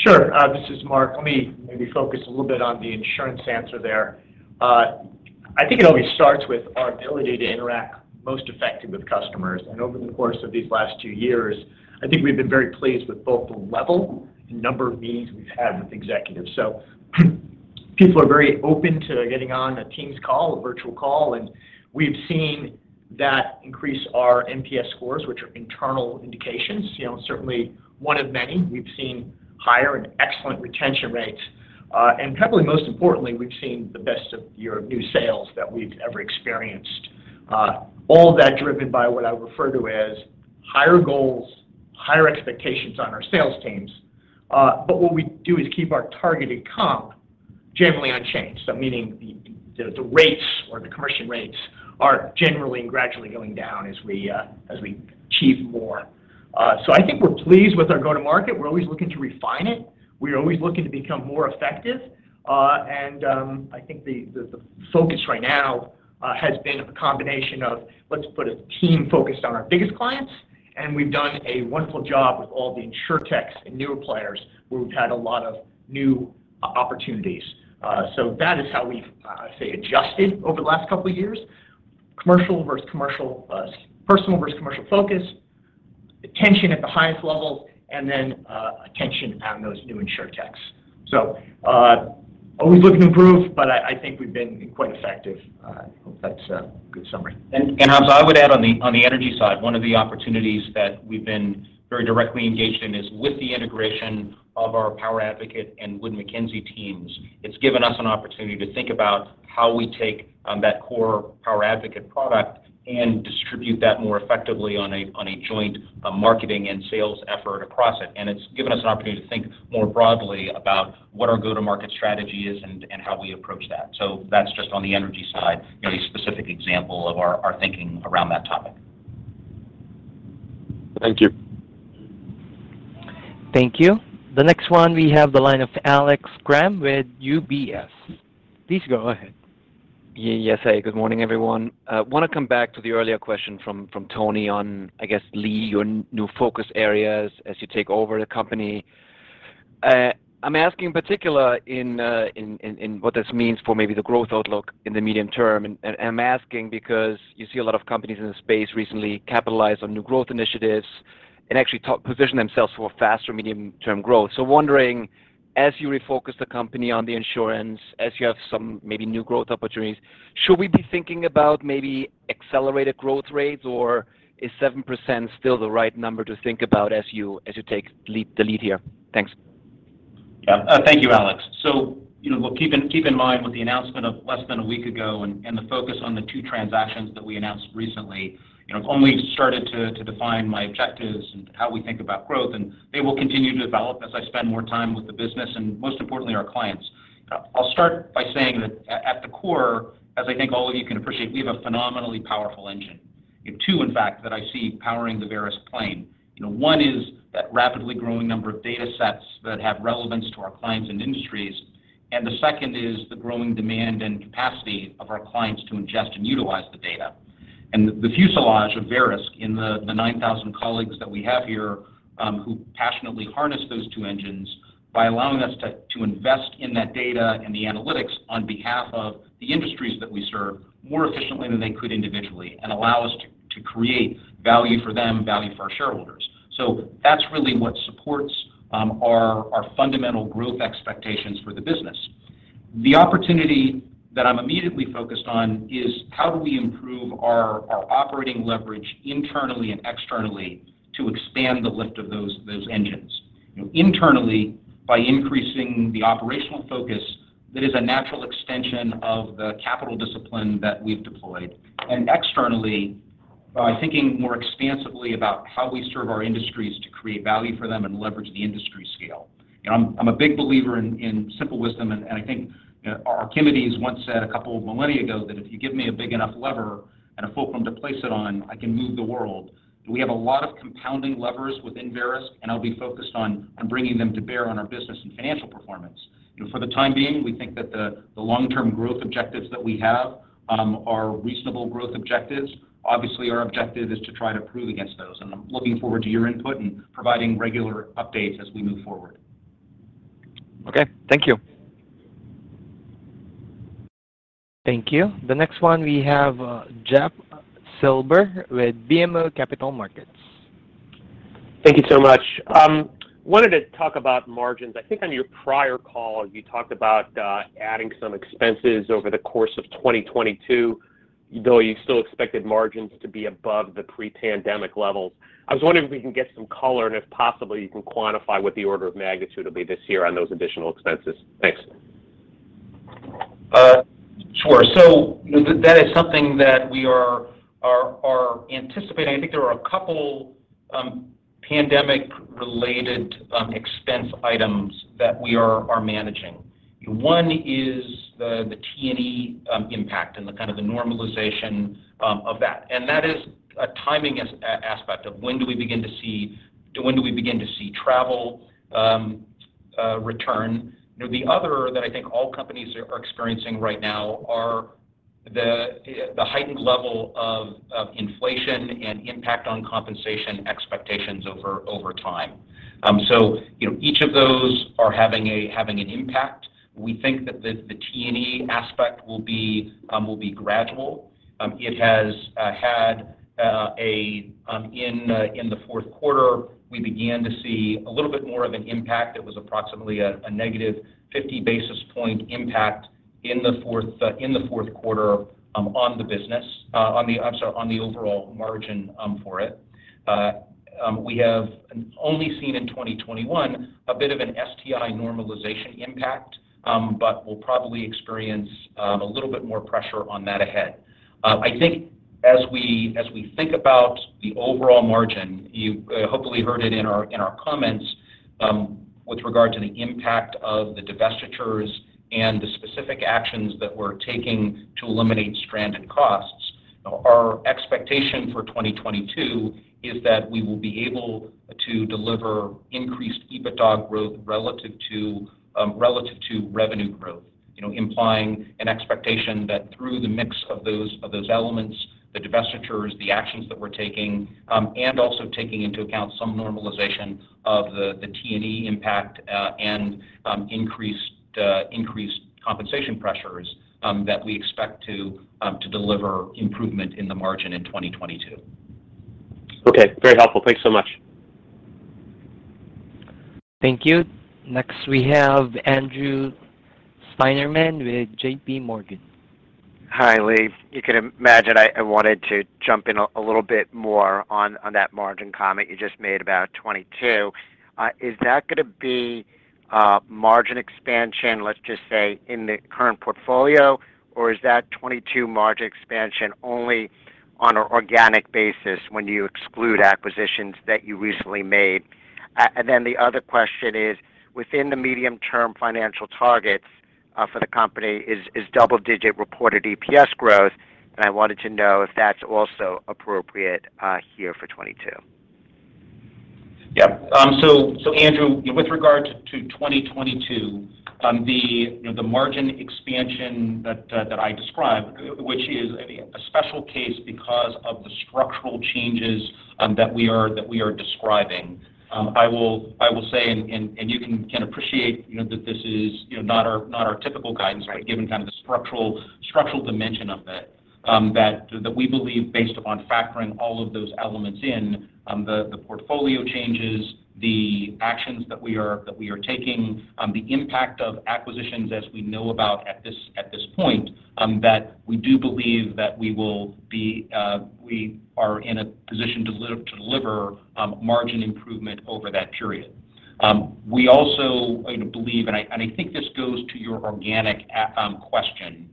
S8: Sure. This is Mark. Let me maybe focus a little bit on the insurance answer there. I think it always starts with our ability to interact most effective with customers. Over the course of these last two years, I think we've been very pleased with both the level and number of meetings we've had with executives. People are very open to getting on a teams call, a virtual call, and we've seen that increase our NPS scores, which are internal indications. You know, certainly one of many. We've seen higher and excellent retention rates. Probably most importantly, we've seen the best year of new sales that we've ever experienced. All that driven by what I refer to as higher goals, higher expectations on our sales teams. What we do is keep our targeted comp generally unchanged.
S4: Meaning the rates or the commission rates are generally and gradually going down as we achieve more. I think we're pleased with our go-to-market. We're always looking to refine it. We are always looking to become more effective. I think the focus right now has been a combination of let's put a team focused on our biggest clients, and we've done a wonderful job with all the insurtechs and newer players where we've had a lot of new opportunities. That is how we've adjusted over the last couple of years. Personal versus commercial focus, attention at the highest level, and then attention on those new insurtechs. Always looking to improve, but I think we've been quite effective. Hope that's a good summary. Hamza, I would add on the energy side, one of the opportunities that we've been very directly engaged in is with the integration of our PowerAdvocate and Wood Mackenzie teams. It's given us an opportunity to think about how we take that core PowerAdvocate product and distribute that more effectively on a joint marketing and sales effort across it. It's given us an opportunity to think more broadly about what our go-to-market strategy is and how we approach that. That's just on the energy side, you know, a specific example of our thinking around that topic.
S7: Thank you.
S1: Thank you. The next one, we have the line of Alex Kramm with UBS. Please go ahead.
S9: Yeah, yeah. Hey, good morning, everyone. I want to come back to the earlier question from Toni on, I guess, Lee, your new focus areas as you take over the company. I'm asking in particular in what this means for maybe the growth outlook in the medium term. I'm asking because you see a lot of companies in the space recently capitalize on new growth initiatives and actually position themselves for faster medium-term growth. Wondering, as you refocus the company on the insurance, as you have some maybe new growth opportunities, should we be thinking about maybe accelerated growth rates, or is 7% still the right number to think about as you take the lead here? Thanks.
S4: Yeah. Thank you, Alex. You know, look, keep in mind with the announcement of less than a week ago and the focus on the two transactions that we announced recently, you know, I've only started to define my objectives and how we think about growth, and they will continue to develop as I spend more time with the business and most importantly, our clients. I'll start by saying that at the core, as I think all of you can appreciate, we have a phenomenally powerful engine. Two, in fact, that I see powering the Verisk plane. You know, one is that rapidly growing number of data sets that have relevance to our clients and industries, and the second is the growing demand and capacity of our clients to ingest and utilize the data. The fuselage of Verisk in the 9,000 colleagues that we have here, who passionately harness those two engines by allowing us to invest in that data and the analytics on behalf of the industries that we serve more efficiently than they could individually and allow us to create value for them, value for our shareholders. That's really what supports our fundamental growth expectations for the business. The opportunity that I'm immediately focused on is how do we improve our operating leverage internally and externally to expand the lift of those engines. Internally by increasing the operational focus that is a natural extension of the capital discipline that we've deployed. Externally by thinking more expansively about how we serve our industries to create value for them and leverage the industry scale. You know, I'm a big believer in simple wisdom, and I think Archimedes once said a couple of millennia ago that if you give me a big enough lever and a fulcrum to place it on, I can move the world. We have a lot of compounding levers within Verisk, and I'll be focused on bringing them to bear on our business and financial performance. You know, for the time being, we think that the long-term growth objectives that we have are reasonable growth objectives. Obviously, our objective is to try to prove against those. I'm looking forward to your input and providing regular updates as we move forward.
S1: Okay, thank you. The next one, we have Jeff Silber with BMO Capital Markets.
S10: Thank you so much. I wanted to talk about margins. I think on your prior call, you talked about adding some expenses over the course of 2022, though you still expected margins to be above the pre-pandemic levels. I was wondering if we can get some color and if possibly you can quantify what the order of magnitude will be this year on those additional expenses. Thanks.
S4: Sure. That is something that we are anticipating. I think there are a couple pandemic-related expense items that we are managing. One is the T&E impact and the kind of normalization of that. That is a timing aspect of when do we begin to see travel return. You know, the other that I think all companies are experiencing right now are the heightened level of inflation and impact on compensation expectations over time. You know, each of those are having an impact. We think that the T&E aspect will be gradual. It has had an impact in the fourth quarter. We began to see a little bit more of an impact. It was approximately a negative 50 basis point impact in the fourth quarter, I'm sorry, on the overall margin for it. We have only seen in 2021 a bit of an STI normalization impact, but we'll probably experience a little bit more pressure on that ahead. I think as we think about the overall margin, you hopefully heard it in our comments with regard to the impact of the divestitures and the specific actions that we're taking to eliminate stranded costs. Our expectation for 2022 is that we will be able to deliver increased EBITDA growth relative to revenue growth, you know, implying an expectation that through the mix of those elements, the divestitures, the actions that we're taking, and also taking into account some normalization of the T&E impact, and increased compensation pressures, that we expect to deliver improvement in the margin in 2022.
S10: Okay, very helpful. Thanks so much.
S1: Thank you. Next, we have Andrew Steinerman with JPMorgan.
S11: Hi, Lee. You can imagine I wanted to jump in a little bit more on that margin comment you just made about 2022. Is that gonna be margin expansion, let's just say, in the current portfolio? Or is that 2022 margin expansion only on an organic basis when you exclude acquisitions that you recently made? The other question is, within the medium-term financial targets for the company is double-digit reported EPS growth, and I wanted to know if that's also appropriate here for 2022.
S4: Yeah, Andrew, with regard to 2022, you know the margin expansion that I described, which is a special case because of the structural changes that we are describing. I will say, and you can appreciate, you know, that this is, you know, not our typical guidance.
S11: Right.
S4: Given kind of the structural dimension of it, that we believe based upon factoring all of those elements in, the portfolio changes, the actions that we are taking, the impact of acquisitions as we know about at this point, that we do believe that we are in a position to deliver margin improvement over that period. We also, you know, believe, and I think this goes to your organic question.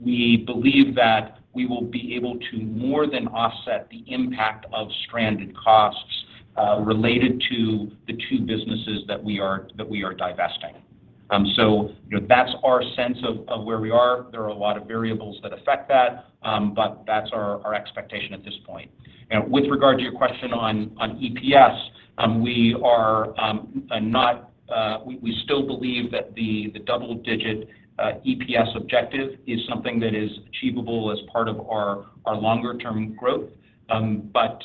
S4: We believe that we will be able to more than offset the impact of stranded costs. Related to the two businesses that we are divesting. You know, that's our sense of where we are. There are a lot of variables that affect that, but that's our expectation at this point. Now, with regard to your question on EPS, we still believe that the double-digit EPS objective is something that is achievable as part of our longer-term growth.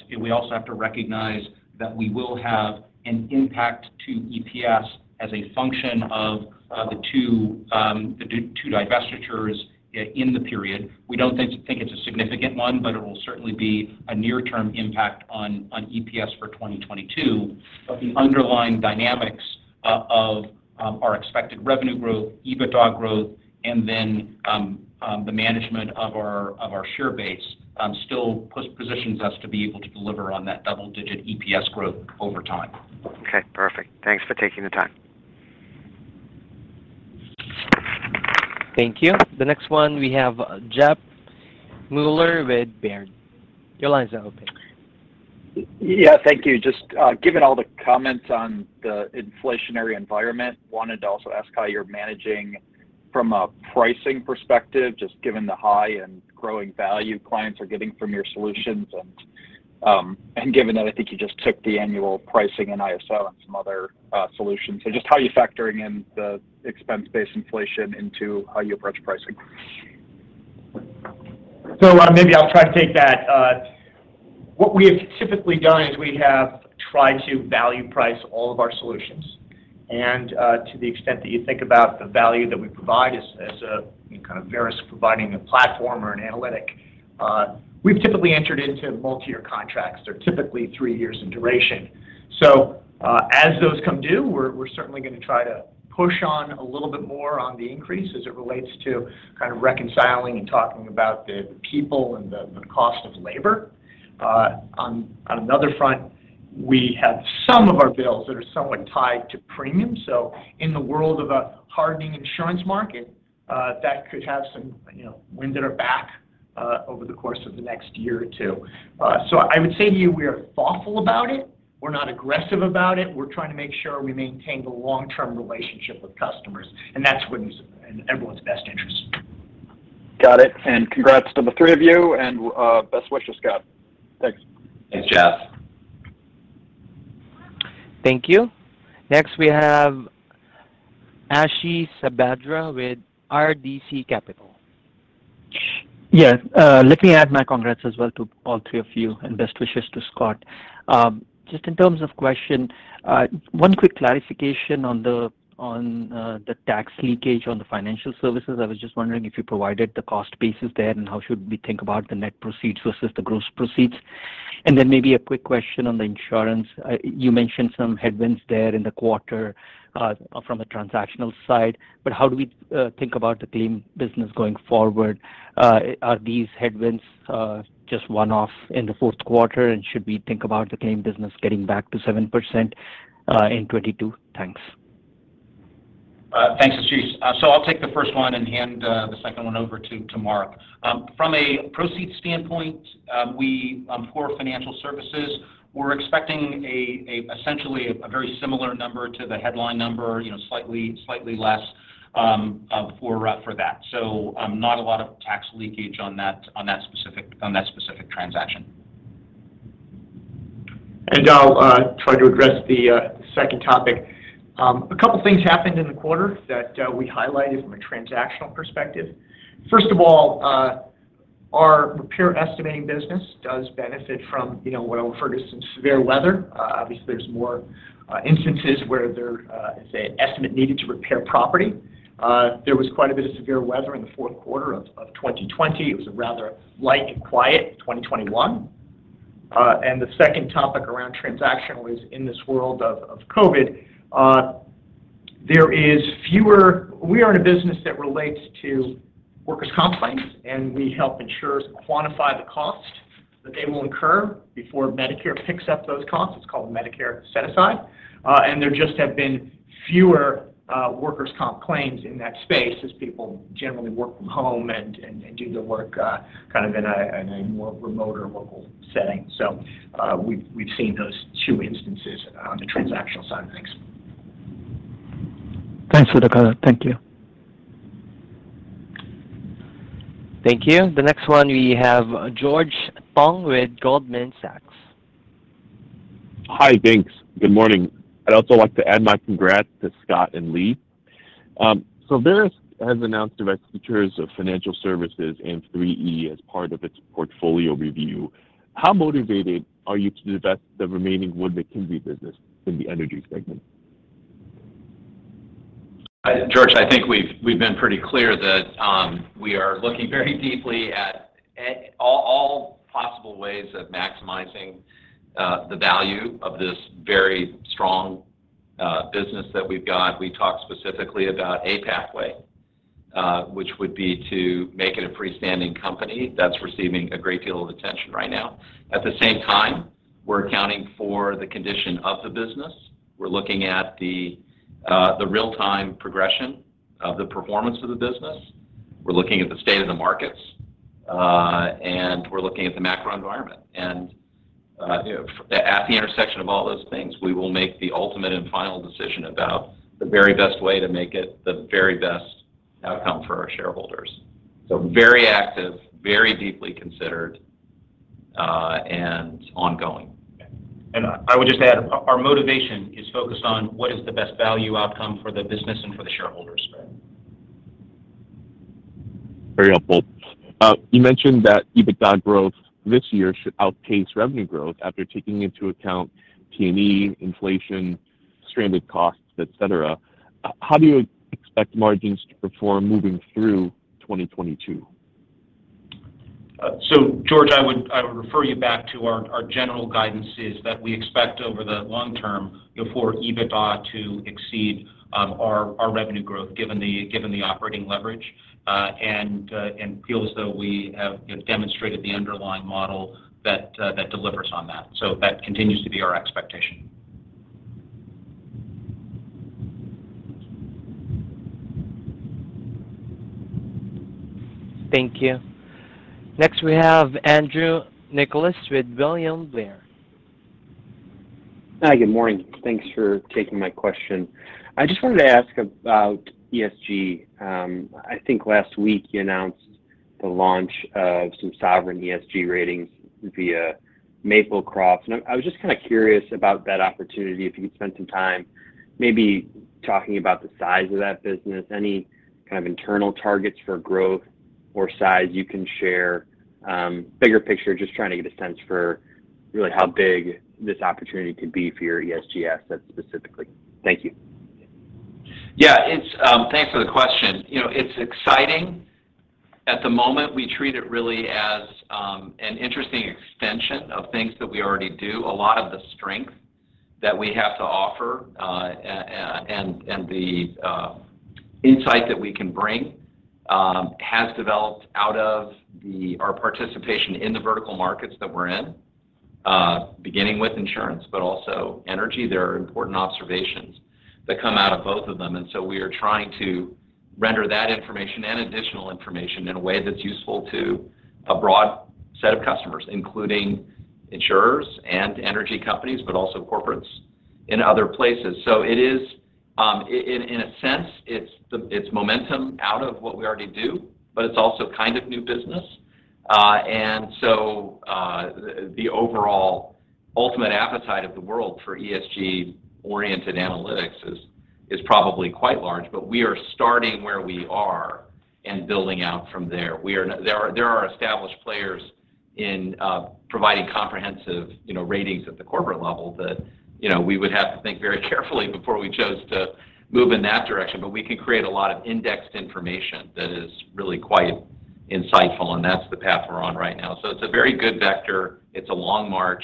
S4: We also have to recognize that we will have an impact to EPS as a function of the two divestitures in the period. We don't think it's a significant one, but it will certainly be a near-term impact on EPS for 2022. The underlying dynamics of our expected revenue growth, EBITDA growth and then, the management of our share base still positions us to be able to deliver on that double-digit EPS growth over time.
S11: Okay, perfect. Thanks for taking the time.
S1: Thank you. The next one we have, Jeff Meuler with Baird. Your line is now open.
S12: Yeah, thank you. Just given all the comments on the inflationary environment, wanted to also ask how you're managing from a pricing perspective, just given the high-end growing value clients are getting from your solutions and given that I think you just took the annual pricing in ISO on some other solutions. Just how are you factoring in the expense-based inflation into how you approach pricing?
S8: Maybe I'll try to take that. What we have typically done is we have tried to value price all of our solutions. To the extent that you think about the value that we provide as a kind of Verisk providing a platform or an analytic, we've typically entered into multi-year contracts. They're typically three years in duration. As those come due, we're certainly gonna try to push on a little bit more on the increase as it relates to kind of reconciling and talking about the people and the cost of labor. On another front, we have some of our bills that are somewhat tied to premium. In the world of a hardening insurance market, that could have some, you know, winds that are back, over the course of the next year or two. I would say to you, we are thoughtful about it. We're not aggressive about it. We're trying to make sure we maintain the long-term relationship with customers, and that's what is in everyone's best interest.
S3: Got it. Congrats to the three of you and best wishes, Scott. Thanks. Thanks, Jeff.
S1: Thank you. Next we have Ashish Sabadra with RBC Capital Markets.
S13: Yeah. Let me add my congrats as well to all three of you and best wishes to Scott. Just in terms of question, one quick clarification on the tax leakage on the financial services. I was just wondering if you provided the cost basis there and how should we think about the net proceeds versus the gross proceeds. Then maybe a quick question on the insurance. You mentioned some headwinds there in the quarter from a transactional side, but how do we think about the claim business going forward? Are these headwinds just one-off in the fourth quarter? Should we think about the claim business getting back to 7% in 2022? Thanks.
S4: Thanks, Ashish. I'll take the first one and hand the second one over to Mark. From a proceeds standpoint, for Financial Services, we're expecting essentially a very similar number to the headline number, you know, slightly less for that. Not a lot of tax leakage on that specific transaction. I'll try to address the second topic. A couple of things happened in the quarter that we highlighted from a transactional perspective. First of all, our repair estimating business does benefit from, you know, what I'll refer to some severe weather. Obviously, there's more instances where there is an estimate needed to repair property.
S8: There was quite a bit of severe weather in the fourth quarter of 2020. It was a rather light and quiet 2021. The second topic around transactions was in this world of COVID. We are in a business that relates to workers' comp claims, and we help insurers quantify the cost that they will incur before Medicare picks up those costs. It's called Medicare Set-Aside. There just have been fewer workers' comp claims in that space as people generally work from home and do their work kind of in a more remote local setting. We've seen those two instances on the transactional side. Thanks.
S13: Thanks for the color. Thank you.
S1: Thank you. The next one we have, George Tong with Goldman Sachs.
S14: Hi, thanks. Good morning. I'd also like to add my congrats to Scott and Lee. Verisk has announced divestitures of financial services and 3E as part of its portfolio review. How motivated are you to divest the remaining Wood Mackenzie business in the energy segment?
S3: George, I think we've been pretty clear that we are looking very deeply at all possible ways of maximizing the value of this very strong business that we've got. We talked specifically about a pathway which would be to make it a freestanding company that's receiving a great deal of attention right now. At the same time, we're accounting for the condition of the business. We're looking at the real-time progression of the performance of the business. We're looking at the state of the markets. We're looking at the macro environment. You know, at the intersection of all those things, we will make the ultimate and final decision about the very best way to make it the very best outcome for our shareholders. Very active, very deeply considered, and ongoing. I would just add, our motivation is focused on what is the best value outcome for the business and for the shareholders.
S8: Very helpful. You mentioned that EBITDA growth this year should outpace revenue growth after taking into account P&C, inflation, stranded costs, et cetera. How do you expect margins to perform moving through 2022? George, I would refer you back to our general guidance is that we expect over the long term, you know, for EBITDA to exceed our revenue growth given the operating leverage and feel as though we have demonstrated the underlying model that delivers on that. That continues to be our expectation.
S1: Thank you. Next we have Andrew Nicholas with William Blair.
S15: Hi, good morning. Thanks for taking my question. I just wanted to ask about ESG. I think last week you announced the launch of some sovereign ESG ratings via Maplecroft. I was just kind of curious about that opportunity, if you could spend some time maybe talking about the size of that business, any kind of internal targets for growth or size you can share. Bigger picture, just trying to get a sense for really how big this opportunity could be for your ESG asset specifically. Thank you.
S3: Yeah. Thanks for the question. You know, it's exciting. At the moment, we treat it really as an interesting extension of things that we already do. A lot of the strength that we have to offer and the insight that we can bring has developed out of our participation in the vertical markets that we're in, beginning with insurance, but also energy. There are important observations that come out of both of them. We are trying to render that information and additional information in a way that's useful to a broad set of customers, including insurers and energy companies, but also corporates in other places. It is, in a sense, it's momentum out of what we already do, but it's also kind of new business. The overall ultimate appetite of the world for ESG-oriented analytics is probably quite large, but we are starting where we are and building out from there. There are established players in providing comprehensive, you know, ratings at the corporate level that, you know, we would have to think very carefully before we chose to move in that direction. We can create a lot of indexed information that is really quite insightful, and that's the path we're on right now. It's a very good vector. It's a long march.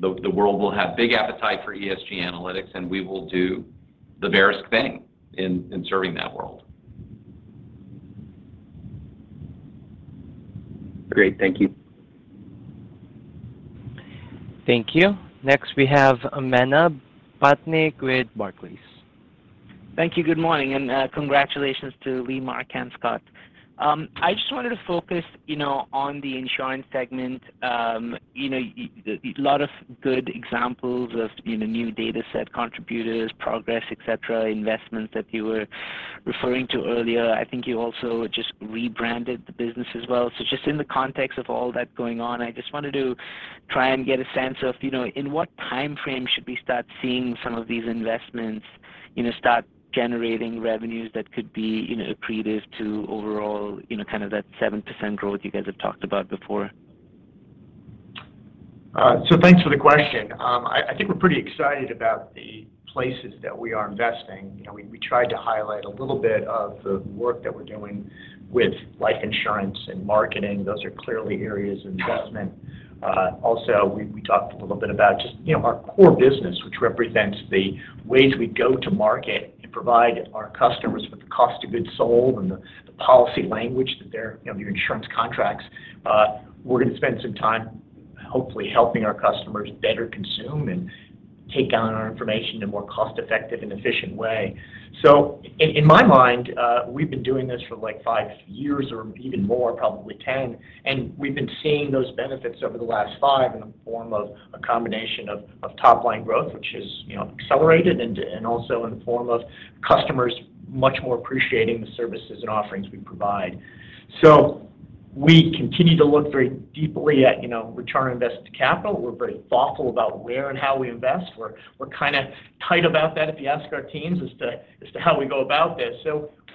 S3: The world will have big appetite for ESG analytics, and we will do the Verisk thing in serving that world.
S15: Great. Thank you.
S1: Thank you. Next we have Manav Patnaik with Barclays.
S16: Thank you. Good morning, and congratulations to Lee, Mark, and Scott. I just wanted to focus, you know, on the insurance segment. You know, a lot of good examples of, you know, new data set contributors, progress, et cetera, investments that you were referring to earlier. I think you also just rebranded the business as well. Just in the context of all that going on, I just wanted to try and get a sense of, you know, in what time frame should we start seeing some of these investments, you know, start generating revenues that could be, you know, accretive to overall, you know, kind of that 7% growth you guys have talked about before.
S8: Thanks for the question. I think we're pretty excited about the places that we are investing. You know, we tried to highlight a little bit of the work that we're doing with life insurance and marketing. Those are clearly areas of investment. Also, we talked a little bit about just, you know, our core business, which represents the ways we go to market and provide our customers with the cost of goods sold and the policy language that they're, you know, your insurance contracts. We're going to spend some time hopefully helping our customers better consume and take on our information in a more cost-effective and efficient way. In my mind, we've been doing this for like five years or even more, probably 10, and we've been seeing those benefits over the last five in the form of a combination of top line growth, which is, you know, accelerated and also in the form of customers much more appreciating the services and offerings we provide. We continue to look very deeply at, you know, return on invested capital. We're very thoughtful about where and how we invest. We're kind of tight about that if you ask our teams as to how we go about this.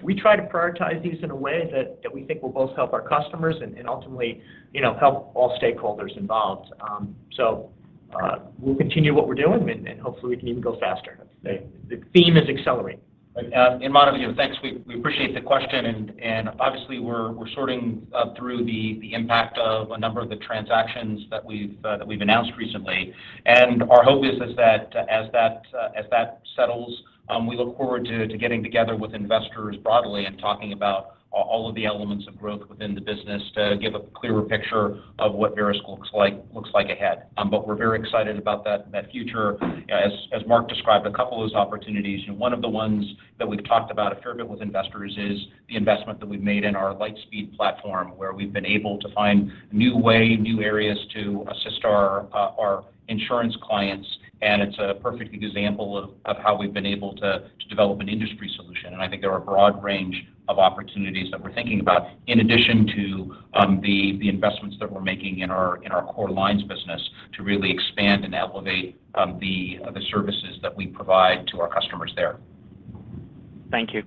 S8: We try to prioritize these in a way that we think will both help our customers and ultimately, you know, help all stakeholders involved. We'll continue what we're doing and hopefully we can even go faster.
S4: The theme is accelerate. Manav Patnaik, thanks. We appreciate the question. Obviously we're sorting through the impact of a number of the transactions that we've announced recently. Our hope is that as that As that settles, we look forward to getting together with investors broadly and talking about all of the elements of growth within the business to give a clearer picture of what Verisk looks like ahead. We're very excited about that future. As Mark described, a couple of those opportunities, and one of the ones that we've talked about a fair bit with investors is the investment that we've made in our LightSpeed platform, where we've been able to find new areas to assist our insurance clients. It's a perfect example of how we've been able to develop an industry solution. I think there are a broad range of opportunities that we're thinking about in addition to the investments that we're making in our core lines business to really expand and elevate the services that we provide to our customers there.
S16: Thank you.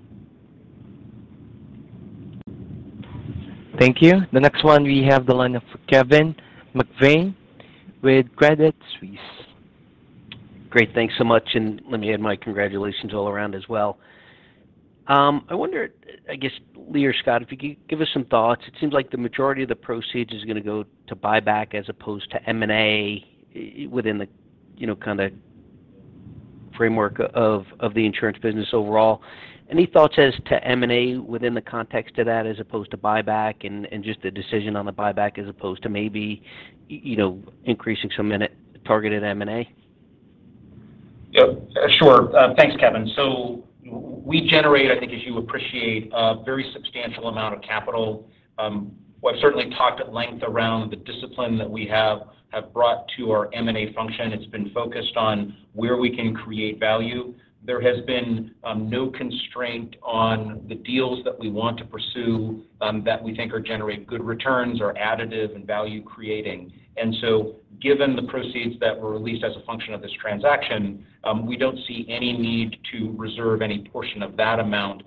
S1: Thank you. The next one, we have the line of Kevin McVeigh with Credit Suisse.
S17: Great. Thanks so much, and let me add my congratulations all around as well. I wonder, I guess, Lee or Scott, if you could give us some thoughts. It seems like the majority of the proceeds is gonna go to buyback as opposed to M&A within the, you know, kinda framework of the insurance business overall. Any thoughts as to M&A within the context of that as opposed to buyback and just the decision on the buyback as opposed to maybe you know increasing some minute targeted M&A?
S4: Yeah. Sure. Thanks, Kevin. So we generate, I think as you appreciate, a very substantial amount of capital. We've certainly talked at length around the discipline that we have brought to our M&A function. It's been focused on where we can create value. There has been no constraint on the deals that we want to pursue that we think are generating good returns, are additive and value-creating. Given the proceeds that were released as a function of this transaction, we don't see any need to reserve any portion of that amount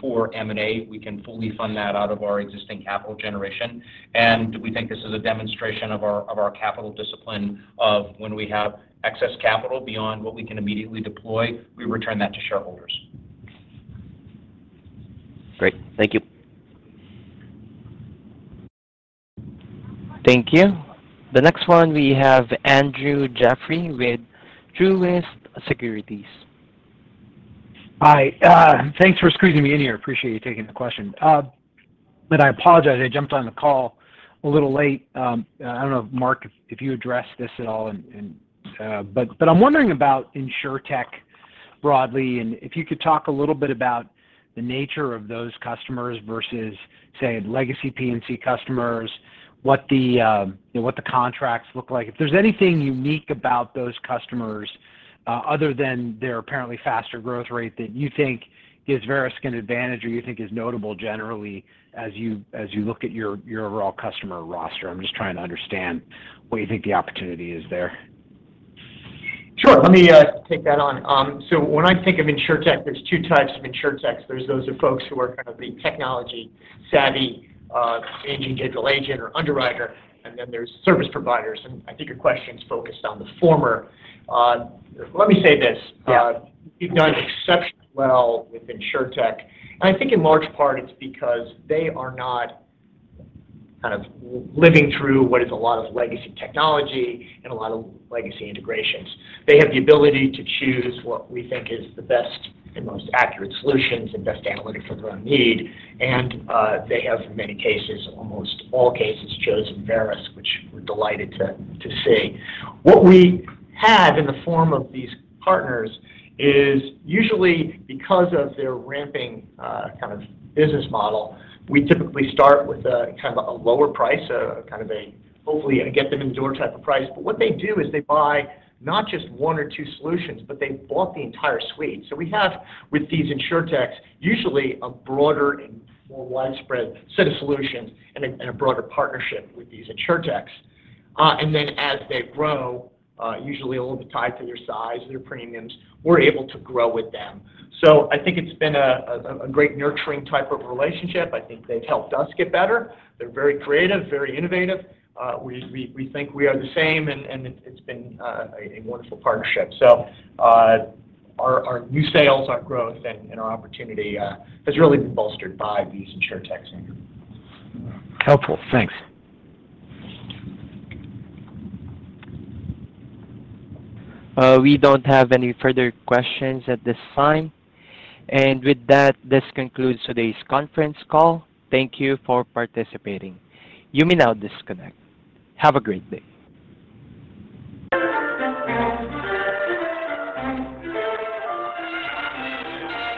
S4: for M&A. We can fully fund that out of our existing capital generation. We think this is a demonstration of our capital discipline of when we have excess capital beyond what we can immediately deploy, we return that to shareholders.
S17: Great. Thank you.
S1: Thank you. The next one we have Andrew Jeffrey with Truist Securities.
S18: Hi. Thanks for squeezing me in here. Appreciate you taking the question. I apologize, I jumped on the call a little late. I don't know, Mark, if you addressed this at all in. I'm wondering about insurtech broadly, and if you could talk a little bit about the nature of those customers versus, say, legacy P&C customers, what the contracts look like. If there's anything unique about those customers, other than their apparently faster growth rate that you think gives Verisk an advantage or you think is notable generally as you look at your overall customer roster. I'm just trying to understand what you think the opportunity is there.
S4: Sure. Let me take that on. When I think of insurtech, there's two types of insurtechs. There are those folks who are kind of the technology savvy agent, digital agent or underwriter, and then there's service providers. I think your question's focused on the former. Let me say this.
S18: Yeah.
S4: We've done exceptionally well with insurtech, and I think in large part it's because they are not kind of living through what is a lot of legacy technology and a lot of legacy integrations. They have the ability to choose what we think is the best and most accurate solutions and best analytics for their own need. They have in many cases, almost all cases, chosen Verisk, which we're delighted to see. What we have in the form of these partners is usually because of their ramping kind of business model. We typically start with kind of a hopefully get-them-in-the-door type of price. What they do is they buy not just one or two solutions, but they've bought the entire suite. We have with these insurtechs, usually a broader and more widespread set of solutions and a broader partnership with these insurtechs. Then as they grow, usually a little bit tied to their size, their premiums, we're able to grow with them. I think it's been a great nurturing type of relationship. I think they've helped us get better. They're very creative, very innovative. We think we are the same and it's been a wonderful partnership. Our new sales, our growth and our opportunity has really been bolstered by these insurtechs.
S18: Helpful. Thanks.
S1: We don't have any further questions at this time. With that, this concludes today's conference call. Thank you for participating. You may now disconnect. Have a great day.